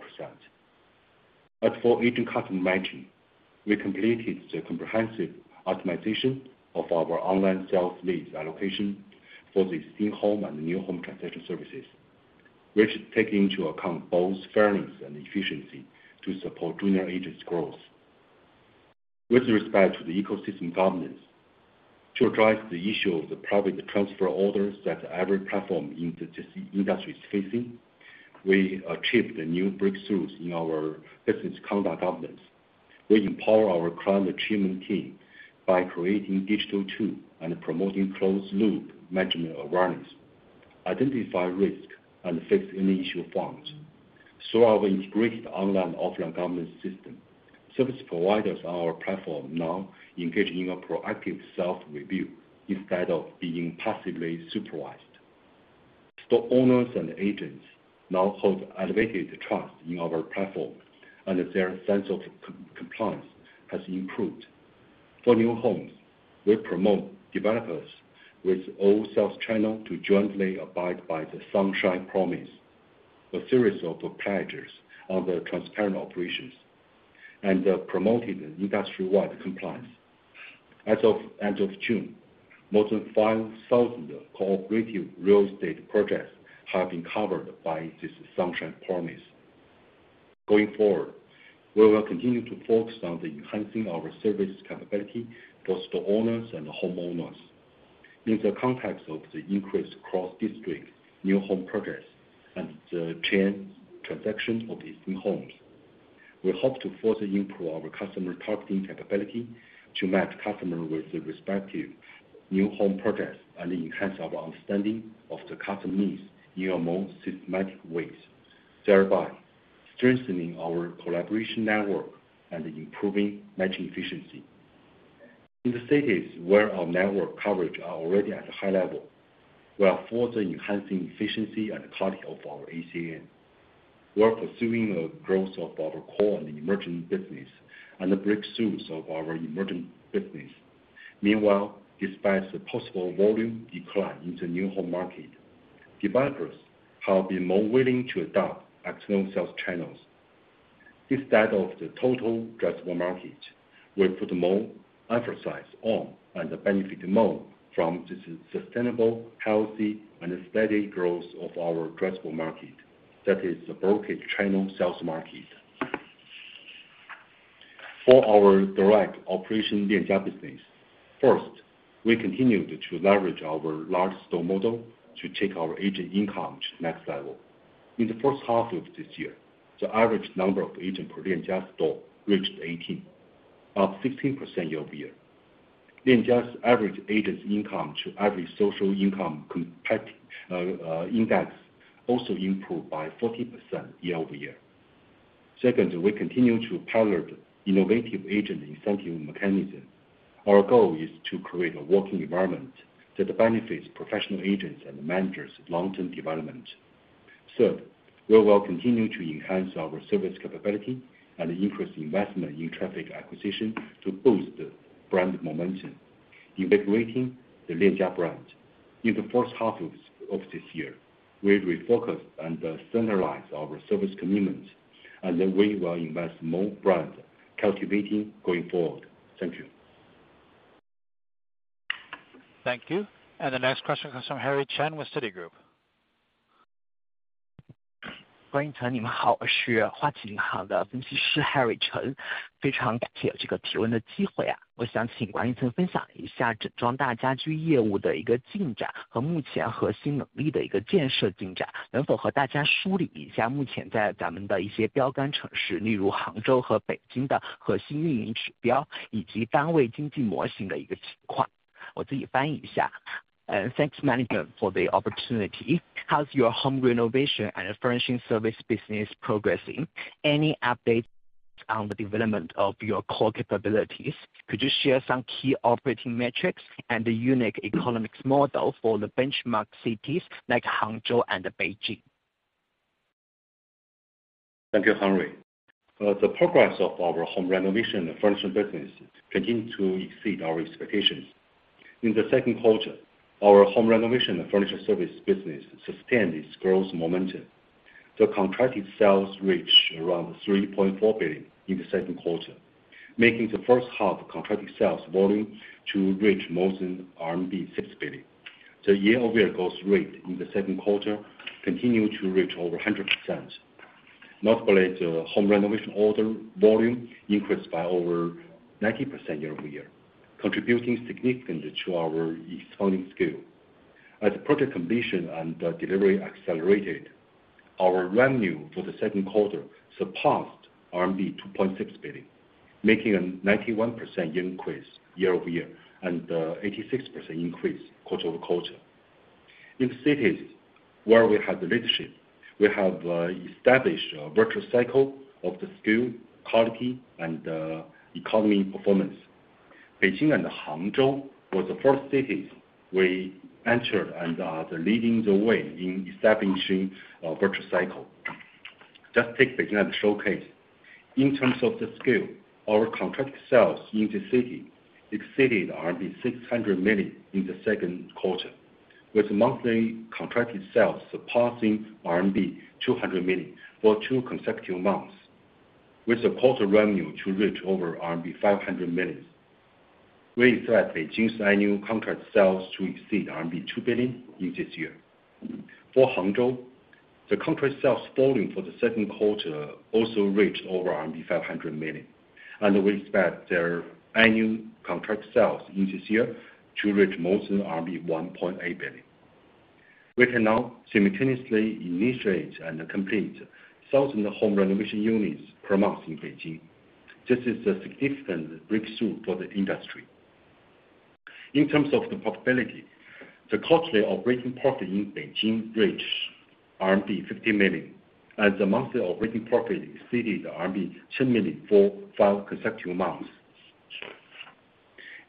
[SPEAKER 4] As for agent customer matching, we completed the comprehensive optimization of our online sales leads allocation for the existing home and new home transaction services, which take into account both fairness and efficiency to support junior agents' growth. With respect to the ecosystem governance, to address the issue of the private transfer orders that every platform in the this industry is facing, we achieved a new breakthroughs in our business conduct governance. We empower our client achievement team by creating digital tool and promoting closed loop management awareness, identify risk, and fix any issue found. Through our integrated online, offline governance system, service providers on our platform now engage in a proactive self-review instead of being passively supervised. Store owners and agents now hold elevated trust in our platform, and their sense of compliance has improved. For new homes, we promote developers with all sales channel to jointly abide by the Sunshine Promise, a series of pledges on the transparent operations, and promoting industry-wide compliance. As of end of June, more than 5,000 cooperative real estate projects have been covered by this Sunshine Promise. Going forward, we will continue to focus on the enhancing our service capability to store owners and homeowners. In the context of the increased cross-district new home projects and the chain transaction of existing homes, we hope to further improve our customer targeting capability to match customer with the respective new home projects and enhance our understanding of the customer needs in a more systematic ways, thereby strengthening our collaboration network and improving matching efficiency. In the cities where our network coverage are already at a high level, we are further enhancing efficiency and quality of our ACN. We are pursuing a growth of our core and emerging business and the breakthroughs of our emerging business. Meanwhile, despite the possible volume decline in the new home market, developers have been more willing to adopt external sales channels. Instead of the total addressable market, we put more emphasis on and benefit more from the sustainable, healthy, and steady growth of our addressable market. That is the brokerage channel sales market. For our direct operation Lianjia business, first, we continued to leverage our large store model to take our agent income to the next level. In the first half of this year, the average number of agents per Lianjia store reached 18%, up 16% year-over-year. Lianjia's average agent's income to average social income index, also improved by 14% year-over-year. Second, we continue to pilot innovative agent incentive mechanism. Our goal is to create a working environment that benefits professional agents and managers' long-term development. Third, we will continue to enhance our service capability and increase investment in traffic acquisition to boost the brand momentum.... integrating the Lianjia brand. In the first half of this year, we refocused and centralized our service commitments, and then we will invest more brand cultivating going forward. Thank you.
[SPEAKER 1] Thank you. The next question comes from Harry Chen with Citigroup.
[SPEAKER 8] Harry Chen, 你们好。我是花旗银行的分析师 Harry Chen。非常感谢有这个提问的机会啊。我想请王银成分享一下整装大家居业务的一个进展，和目前核心能力的一个建设进展，能否和大家梳理一下目前在咱们的一些标杆城市，例如杭州和北京的核心运营指标，以及单位经济模型的一个情况。我自己翻译一下。Thanks, management, for the opportunity. How's your home renovation and furnishing service business progressing? Any updates on the development of your core capabilities? Could you share some key operating metrics and the unique economics model for the benchmark cities like Hangzhou and Beijing?
[SPEAKER 4] Thank you, Henry. The progress of our home renovation and furnishing business continue to exceed our expectations. In the Q2, our home renovation and furnishing service business sustained its growth momentum. The contracted sales reached around 3.4 billion in the Q2, making the first half contracted sales volume to reach more than RMB 6 billion. The year-over-year growth rate in the Q2 continued to reach over 100%. Monthly, the home renovation order volume increased by over 90% year-over-year, contributing significantly to our expanding scale. As project completion and delivery accelerated, our revenue for the Q2 surpassed RMB 2.6 billion, making a 91% increase year-over-year, and eighty-six percent increase quarter over quarter. In cities where we have the leadership, we have established a virtual cycle of the scale, quality, and economy performance. Beijing and Hangzhou were the first cities we entered and are leading the way in establishing a virtual cycle. Just take Beijing as a showcase. In terms of the scale, our contracted sales in the city exceeded RMB 600 million in the Q2, with monthly contracted sales surpassing RMB 200 million for two consecutive months, with the quarter revenue to reach over RMB 500 million. We expect Beijing's annual contract sales to exceed RMB 2 billion in this year. For Hangzhou, the contract sales volume for the Q2 also reached over RMB 500 million, and we expect their annual contract sales in this year to reach more than 1.8 billion. We can now simultaneously initiate and complete 1,000 home renovation units per month in Beijing. This is a significant breakthrough for the industry. In terms of the profitability, the quarterly operating profit in Beijing reached RMB 50 million, and the monthly operating profit exceeded RMB 10 million for five consecutive months.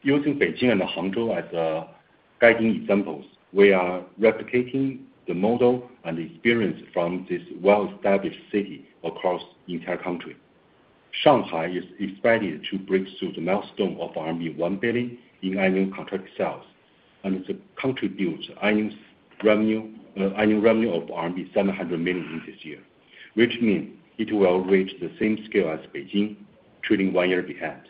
[SPEAKER 4] Using Beijing and Hangzhou as guiding examples, we are replicating the model and experience from this well-established city across the entire country. Shanghai is expected to break through the milestone of RMB 1 billion in annual contract sales, and to contribute annual revenue of RMB 700 million in this year, which mean it will reach the same scale as Beijing, trading one year ahead.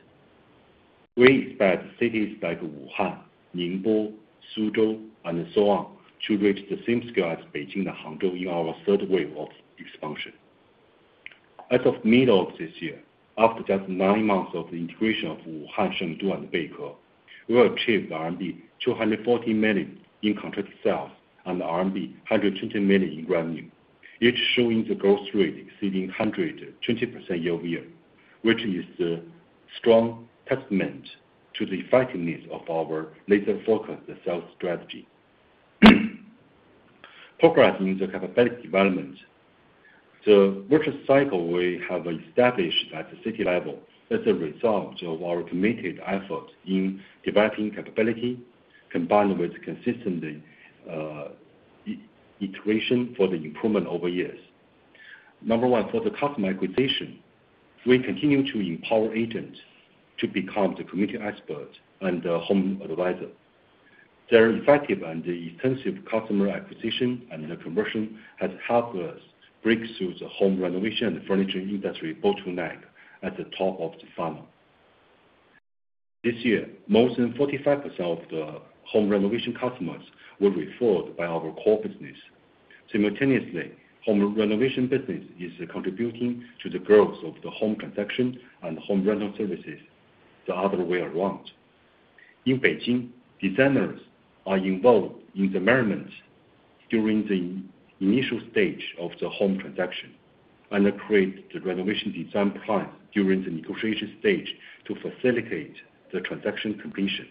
[SPEAKER 4] We expect cities like Wuhan, Ningbo, Suzhou, and so on, to reach the same scale as Beijing and Hangzhou in our third wave of expansion. As of middle of this year, after just 9 months of the integration of Wuhan, Chengdu and Beike, we achieved RMB 240 million in contract sales and RMB 120 million in revenue, each showing the growth rate exceeding 120% year-over-year, which is a strong testament to the effectiveness of our laser-focused sales strategy. Progress in the capacity development. The virtual cycle we have established at the city level is a result of our committed effort in developing capability, combined with consistent iteration for the improvement over years. Number 1, for the customer acquisition, we continue to empower agents to become the community expert and home advisor. Their effective and intensive customer acquisition and conversion has helped us break through the home renovation and furniture industry bottleneck at the top of the funnel. This year, more than 45% of the home renovation customers were referred by our core business. Simultaneously, home renovation business is contributing to the growth of the home transaction and home rental services, the other way around. In Beijing, designers are involved in the management during the initial stage of the home transaction, and create the renovation design plan during the negotiation stage to facilitate the transaction completion.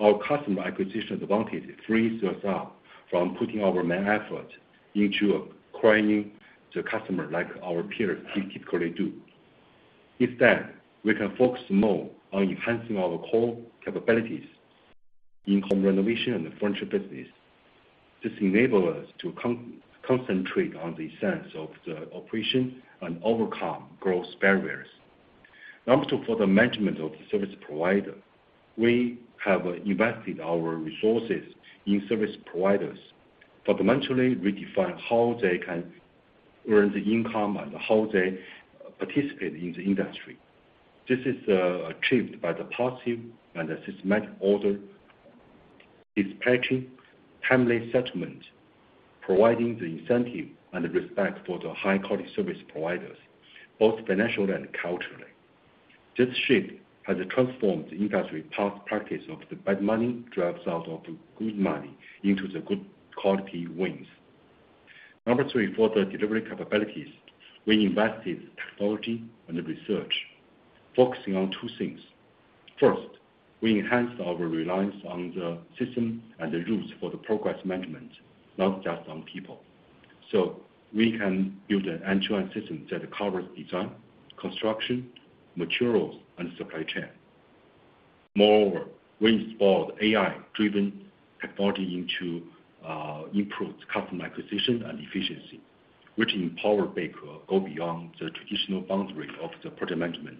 [SPEAKER 4] Our customer acquisition advantage frees us up from putting our main effort into acquiring the customer like our peers typically do. Instead, we can focus more on enhancing our core capabilities in home renovation and furniture business. This enable us to concentrate on the sense of the operation and overcome growth barriers. Number two, for the management of the service provider, we have invested our resources in service providers, fundamentally redefine how they can earn the income and how they participate in the industry. This is achieved by the positive and the systematic order, dispatching, timely settlement, providing the incentive and the respect for the high-quality service providers, both financial and culturally. This shift has transformed the industry past practice of the bad money drives out of good money into the good quality wins. Number three, for the delivery capabilities, we invested technology and research, focusing on two things. First, we enhanced our reliance on the system and the rules for the progress management, not just on people. So we can build an end-to-end system that covers design, construction, materials, and supply chain. Moreover, we installed AI-driven technology into improved customer acquisition and efficiency, which empower Beike to go beyond the traditional boundary of the project management,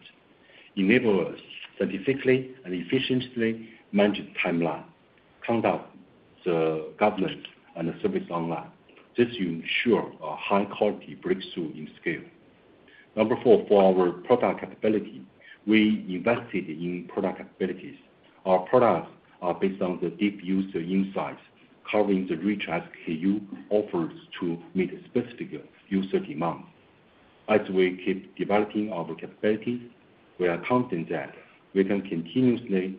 [SPEAKER 4] enable us scientifically and efficiently manage timeline, conduct the government and the service online. This ensure a high quality breakthrough in scale. Number four, for our product capability, we invested in product capabilities. Our products are based on the deep user insights, covering the rich SKU offers to meet specific user demand. As we keep developing our capabilities, we are confident that we can continuously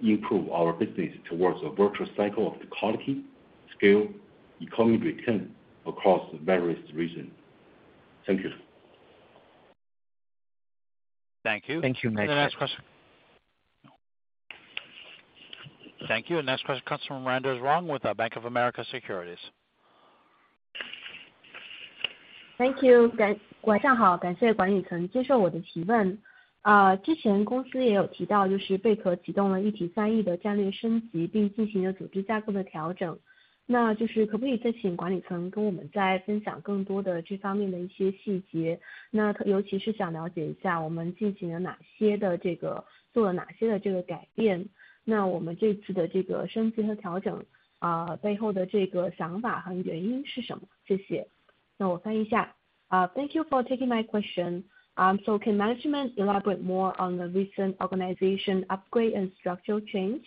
[SPEAKER 4] improve our business towards a virtuous cycle of the quality, scale, economy return across various regions. Thank you.
[SPEAKER 8] Thank you.
[SPEAKER 1] Thank you. Next question. Thank you. Next question comes from Miranda Zhuang with Bank of America Securities.
[SPEAKER 6] Thank you. Thank you for taking my question. Can management elaborate more on the recent organization upgrade and structural change?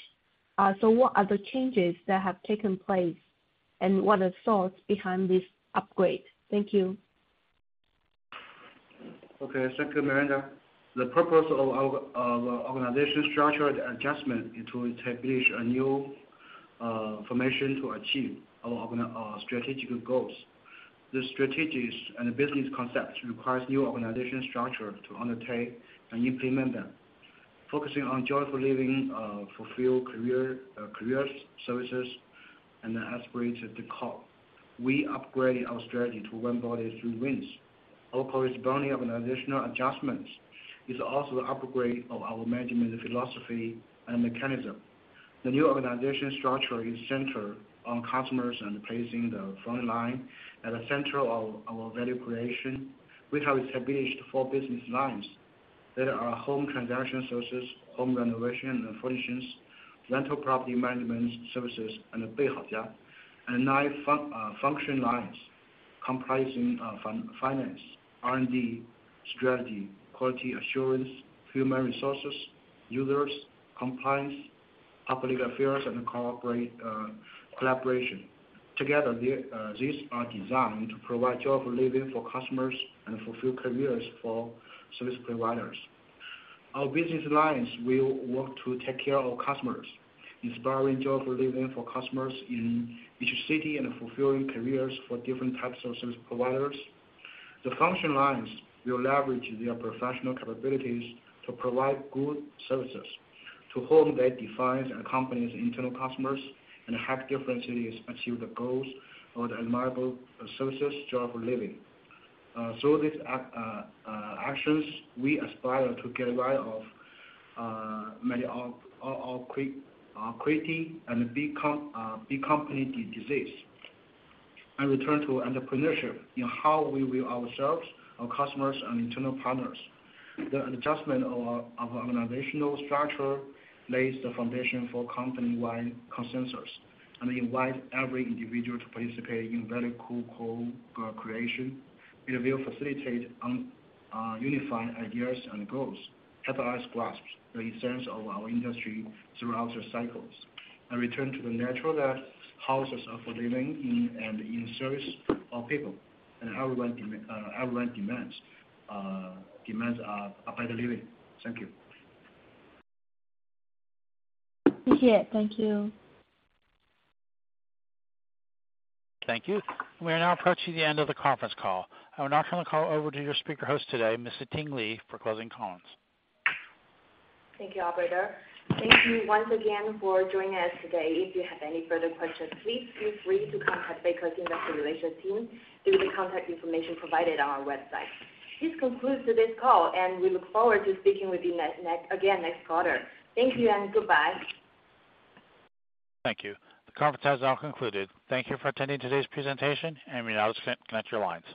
[SPEAKER 6] What are the changes that have taken place, and what are the thoughts behind this upgrade? Thank you.
[SPEAKER 4] Okay, thank you, Miranda. The purpose of our organization structural adjustment is to establish a new formation to achieve our strategic goals. The strategies and business concepts requires new organization structure to undertake and implement them, focusing on joyful living, fulfill career, career services, and aspirated the call. We upgraded our strategy to one body, three wings. Our corresponding organizational adjustments is also the upgrade of our management philosophy and mechanism. The new organization structure is centered on customers and placing the front line at the center of our value creation. We have established four business lines. They are home transaction services, home renovation and furnishings, rental property management services, and Beihaojia, and nine function lines comprising finance, R&D, strategy, quality assurance, human resources, users, compliance, public affairs, and corporate collaboration. Together, these are designed to provide joyful living for customers and fulfill careers for service providers. Our business lines will work to take care of customers, inspiring joyful living for customers in each city and fulfilling careers for different types of service providers. The function lines will leverage their professional capabilities to provide good services to home that defines and accompanies internal customers, and help different cities achieve the goals of the admirable services, joyful living. So these actions, we aspire to get rid of many of our creating and big company disease, and return to entrepreneurship in how we view ourselves, our customers, and internal partners. The adjustment of our organizational structure lays the foundation for company-wide consensus, and invite every individual to participate in very cool co-creation. It will facilitate on unifying ideas and goals, help us grasp the essence of our industry throughout the cycles, and return to the natural that houses are for living in and in service of people and everyone demands a better living. Thank you.
[SPEAKER 6] Thank you. Thank you.
[SPEAKER 1] Thank you. We are now approaching the end of the conference call. I will now turn the call over to your speaker host today, Mr. Siting Li, for closing comments.
[SPEAKER 2] Thank you, operator. Thank you once again for joining us today. If you have any further questions, please feel free to contact Beike Investor Relations team through the contact information provided on our website. This concludes today's call, and we look forward to speaking with you next, next, again, next quarter. Thank you and goodbye.
[SPEAKER 1] Thank you. The conference has now concluded. Thank you for attending today's presentation, and you may now disconnect your lines.